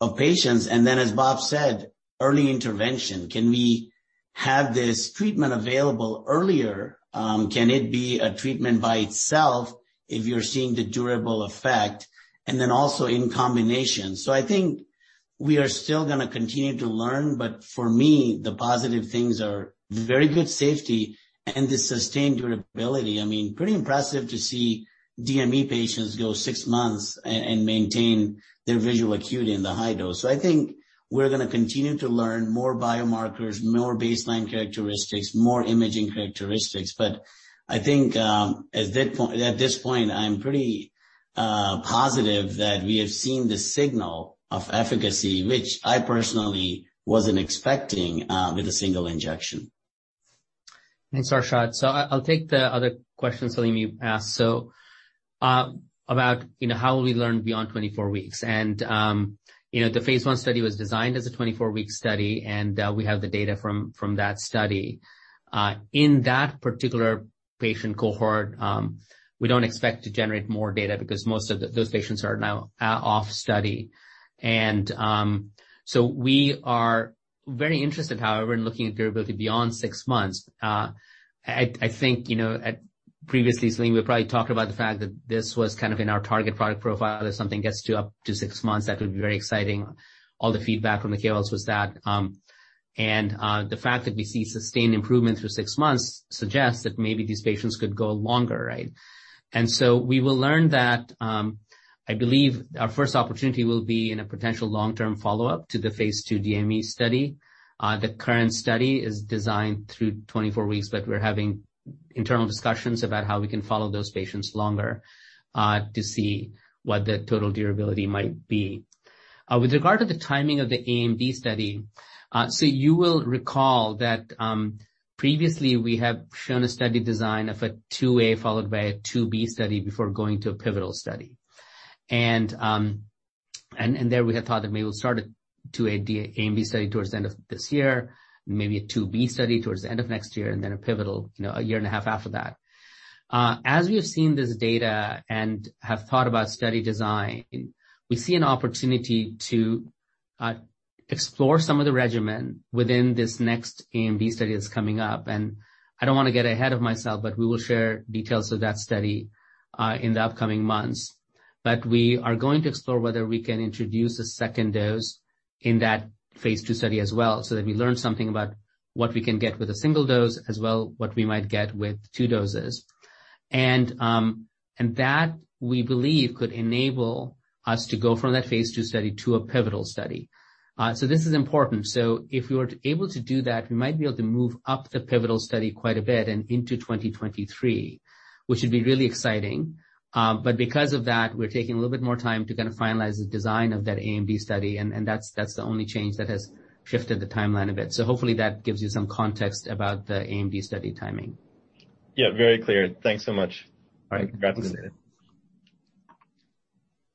of patients, and then, as Bob said, early intervention, can we have this treatment available earlier? Can it be a treatment by itself if you're seeing the durable effect? Also in combination. I think we are still gonna continue to learn, but for me, the positive things are very good safety and the sustained durability. I mean, pretty impressive to see DME patients go six months and maintain their visual acuity in the high dose. I think we're going to continue to learn more biomarkers, more baseline characteristics, more imaging characteristics. I think at this point, I'm pretty positive that we have seen the signal of efficacy, which I personally wasn't expecting with a single injection. Thanks, Arshad. I'll take the other question, Salim, you asked. About, you know, how will we learn beyond 24 weeks? The phase I study was designed as a 24-week study, and we have the data from that study. In that particular patient cohort, we don't expect to generate more data because most of those patients are now off study. We are very interested, however, in looking at durability beyond six months. I think, you know, previously, Salim, we probably talked about the fact that this was kind of in our target product profile. If something gets to up to six months, that would be very exciting. All the feedback from the KOLs was that. The fact that we see sustained improvement through six months suggests that maybe these patients could go longer, right? We will learn that. I believe our first opportunity will be in a potential long-term follow-up to the phase II DME study. The current study is designed through 24 weeks, but we're having internal discussions about how we can follow those patients longer to see what the total durability might be. With regard to the timing of the AMD study, you will recall that previously we have shown a study design of a phase II-A followed by a phase II-B study before going to a pivotal study. There we had thought that maybe we'll start a phase II-A AMD study towards the end of this year, maybe a phase II-B study towards the end of next year, and then a pivotal, you know, a year and a half after that. As we have seen this data and have thought about study design, we see an opportunity to explore some of the regimen within this next AMD study that's coming up, and I don't want to get ahead of myself, but we will share details of that study in the upcoming months. We are going to explore whether we can introduce a second dose in that phase II study as well, so that we learn something about what we can get with a single dose as well, what we might get with two doses. That, we believe, could enable us to go from that phase II study to a pivotal study. This is important. If we were able to do that, we might be able to move up the pivotal study quite a bit and into 2023, which would be really exciting. Because of that, we're taking a little bit more time to kind of finalize the design of that AMD study, and that's the only change that has shifted the timeline a bit. Hopefully that gives you some context about the AMD study timing. Yeah, very clear. Thanks so much. All right. Congrats.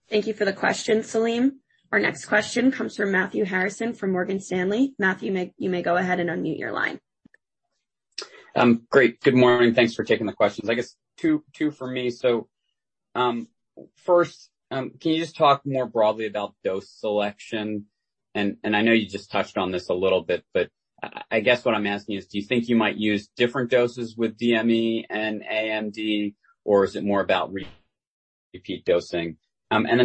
Thank you for the question, Salim. Our next question comes from Matthew Harrison from Morgan Stanley. Matthew, you may go ahead and unmute your line. Great. Good morning. Thanks for taking the questions. I guess two for me. First, can you just talk more broadly about dose selection? I know you just touched on this a little bit, but I guess what I'm asking is, do you think you might use different doses with DME and AMD, or is it more about repeat dosing?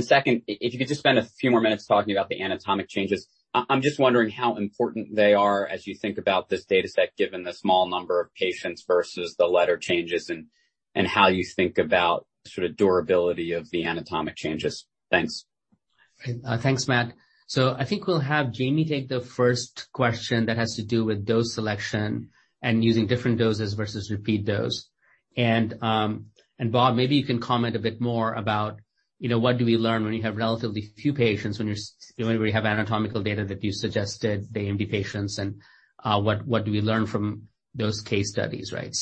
Second, if you could just spend a few more minutes talking about the anatomic changes. I'm just wondering how important they are as you think about this data set, given the small number of patients versus the letter changes and how you think about sort of durability of the anatomic changes. Thanks. Thanks, Matt. I think we'll have Jamie take the first question that has to do with dose selection and using different doses versus repeat dose. And Bob, maybe you can comment a bit more about, you know, what do we learn when you have relatively few patients when we have anatomical data that you suggested the AMD patients and, what do we learn from those case studies, right?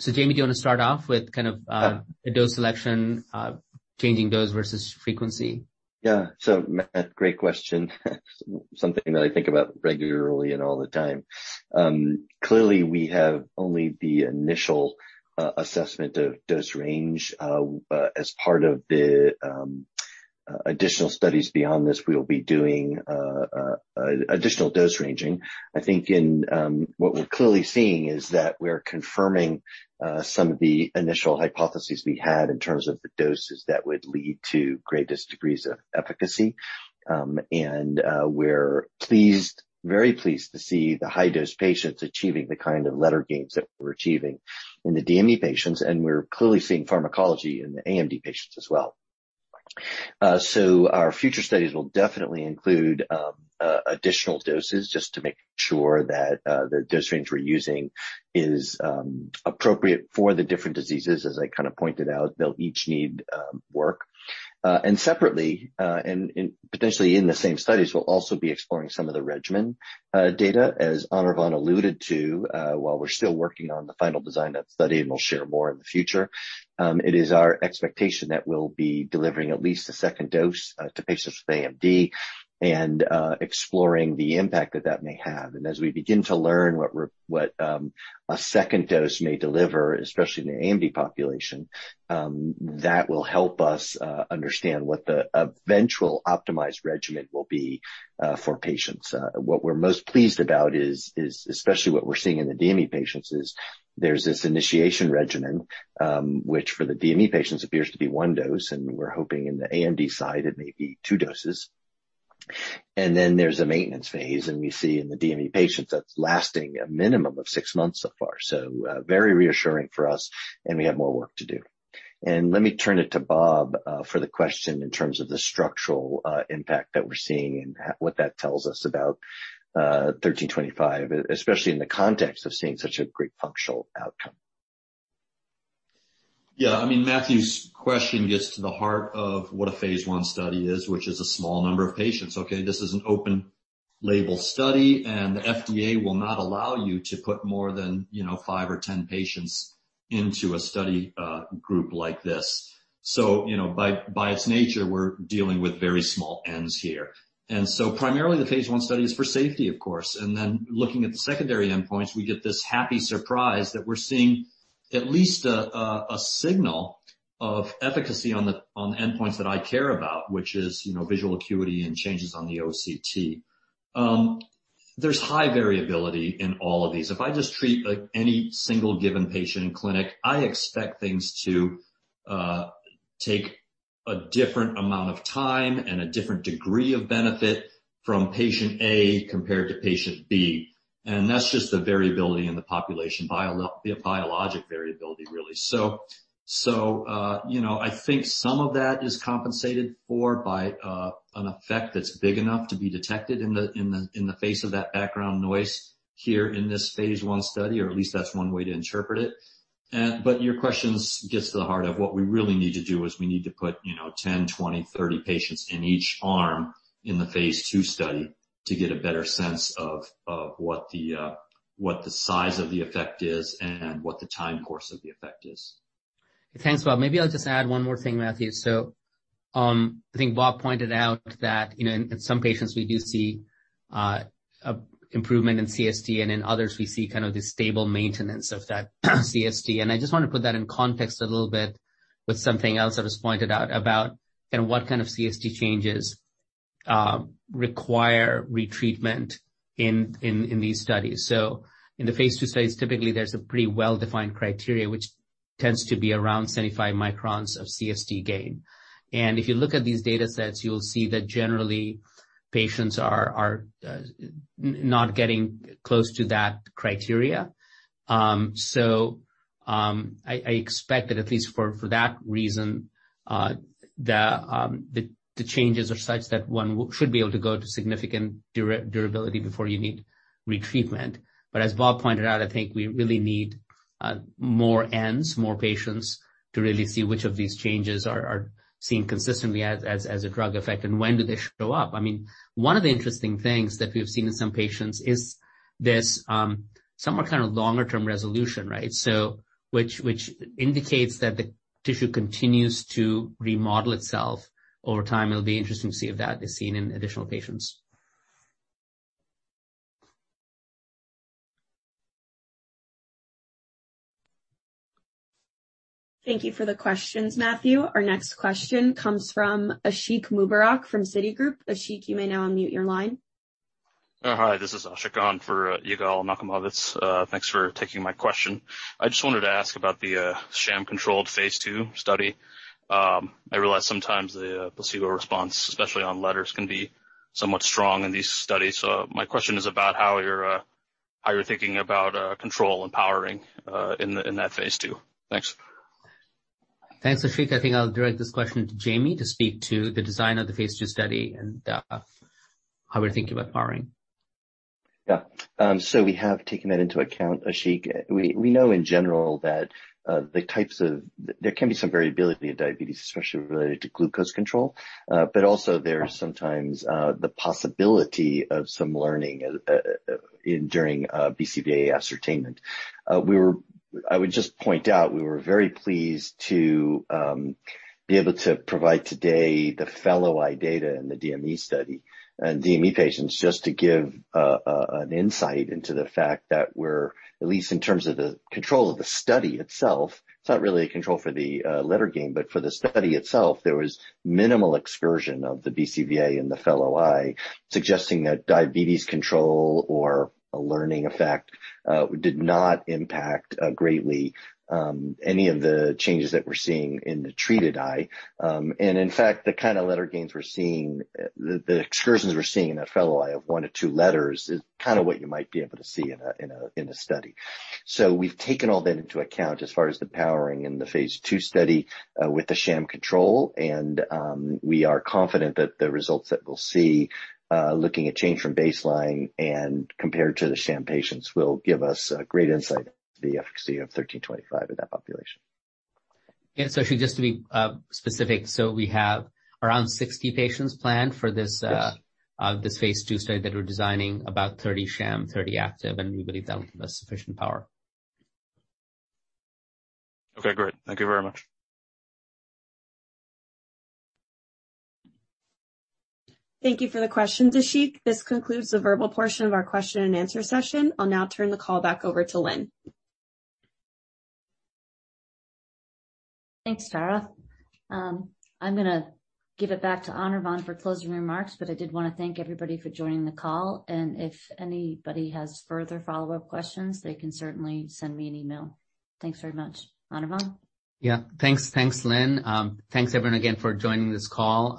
Jamie, do you want to start off with kind of, Yeah. the dose selection, changing dose versus frequency? Yeah. Matt, great question. Something that I think about regularly and all the time. Clearly we have only the initial assessment of dose range. As part of the additional studies beyond this, we'll be doing additional dose ranging. I think in what we're clearly seeing is that we're confirming some of the initial hypotheses we had in terms of the doses that would lead to greatest degrees of efficacy. We're pleased, very pleased to see the high dose patients achieving the kind of letter gains that we're achieving in the DME patients, and we're clearly seeing pharmacology in the AMD patients as well. Our future studies will definitely include additional doses just to make sure that the dose range we're using is appropriate for the different diseases. As I kind of pointed out, they'll each need work. Separately, and potentially in the same studies, we'll also be exploring some of the regimen data. As Anirvan alluded to, while we're still working on the final design of that study, and we'll share more in the future, it is our expectation that we'll be delivering at least a second dose to patients with AMD and exploring the impact that that may have. As we begin to learn what a second dose may deliver, especially in the AMD population, that will help us understand what the eventual optimized regimen will be for patients. What we're most pleased about is especially what we're seeing in the DME patients is there's this initiation regimen, which for the DME patients appears to be one dose, and we're hoping in the AMD side it may be two doses. Then there's a maintenance phase, and we see in the DME patients that's lasting a minimum of six months so far. Very reassuring for us and we have more work to do. Let me turn it to Bob Bhisitkul for the question in terms of the structural impact that we're seeing and what that tells us about UBX1325, especially in the context of seeing such a great functional outcome. Yeah. I mean, Matthew's question gets to the heart of what a phase I study is, which is a small number of patients. Okay? This is an open label study, and the FDA will not allow you to put more than, you know, 5 or 10 patients into a study group like this. So, you know, by its nature, we're dealing with very small ends here. Primarily the phase I study is for safety, of course. Then looking at the secondary endpoints, we get this happy surprise that we're seeing at least a signal of efficacy on the endpoints that I care about, which is, you know, visual acuity and changes on the OCT. There's high variability in all of these. If I just treat any single given patient in clinic, I expect things to take a different amount of time and a different degree of benefit from patient A compared to patient B. That's just the variability in the population, the biologic variability really. You know, I think some of that is compensated for by an effect that's big enough to be detected in the face of that background noise here in this phase I study, or at least that's one way to interpret it. Your question gets to the heart of what we really need to do, is we need to put, you know, 10, 20, 30 patients in each arm in the phase II study to get a better sense of what the size of the effect is and what the time course of the effect is. Thanks, Bob. Maybe I'll just add one more thing, Matthew. I think Bob pointed out that, you know, in some patients we do see improvement in CST and in others, we see kind of the stable maintenance of that CST. I just want to put that in context a little bit with something else that was pointed out about kind of what kind of CST changes require retreatment in these studies. In the phase II studies, typically there's a pretty well-defined criteria, which tends to be around 75 microns of CST gain. If you look at these data sets, you'll see that generally patients are not getting close to that criteria. I expect that at least for that reason, the changes are such that one should be able to go to significant durability before you need retreatment. As Bob pointed out, I think we really need more Ns, more patients to really see which of these changes are seen consistently as a drug effect and when do they show up. I mean, one of the interesting things that we've seen in some patients is this somewhat kind of longer term resolution, right? Which indicates that the tissue continues to remodel itself over time. It'll be interesting to see if that is seen in additional patients. Thank you for the questions, Matthew. Our next question comes from Ashiq Mubarack from Citigroup. Ashiq, you may now unmute your line. Hi, this is Ashiq on for Yigal Nochomovitz. Thanks for taking my question. I just wanted to ask about the sham-controlled phase II study. I realize sometimes the placebo response, especially on letters, can be somewhat strong in these studies. My question is about how you're thinking about control and powering in that phase II. Thanks. Thanks, Ashik. I think I'll direct this question to Jamie to speak to the design of the phase II study and how we're thinking about powering. We have taken that into account, Ashik. We know in general that there can be some variability in diabetes, especially related to glucose control. There is sometimes the possibility of some learning during BCVA ascertainment. I would just point out, we were very pleased to be able to provide today the fellow eye data in the DME study and DME patients, just to give an insight into the fact that we're at least in terms of the control of the study itself. It's not really a control for the letter game. For the study itself, there was minimal excursion of the BCVA in the fellow eye, suggesting that diabetes control or a learning effect did not impact greatly any of the changes that we're seeing in the treated eye. In fact, the kind of letter gains we're seeing, the excursions we're seeing in that fellow eye of 1-2 letters is kind of what you might be able to see in a study. We've taken all that into account as far as the powering in the phase II study with the sham control. We are confident that the results that we'll see looking at change from baseline and compared to the sham patients will give us great insight into the efficacy of UBX1325 in that population. Ashiq, just to be specific, we have around 60 patients planned for this. Yes. This phase II study that we're designing about 30 sham, 30 active, and we believe that will give us sufficient power. Okay, great. Thank you very much. Thank you for the question, Ashiq. This concludes the verbal portion of our question and answer session. I'll now turn the call back over to Lynne. Thanks, Tara. I'm gonna give it back to Anirvan for closing remarks, but I did want to thank everybody for joining the call. If anybody has further follow-up questions, they can certainly send me an email. Thanks very much. Anirvan? Yeah. Thanks. Thanks, Lynne. Thanks everyone again for joining this call.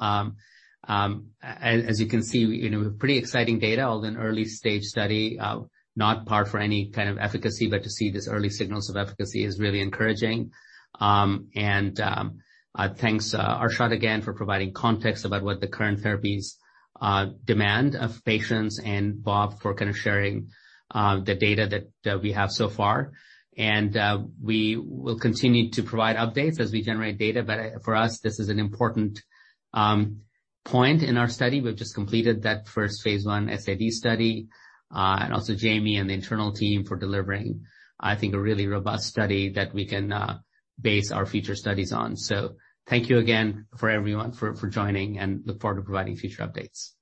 As you can see, you know, pretty exciting data, although an early-stage study, not powered for any kind of efficacy, but to see this early signals of efficacy is really encouraging. Thanks, Arshad again for providing context about what the current therapies demand of patients and Bob for kind of sharing the data that we have so far. We will continue to provide updates as we generate data. For us, this is an important point in our study. We've just completed that first phase I SAD study. Also Jamie and the internal team for delivering, I think, a really robust study that we can base our future studies on. Thank you again for everyone for joining, and look forward to providing future updates.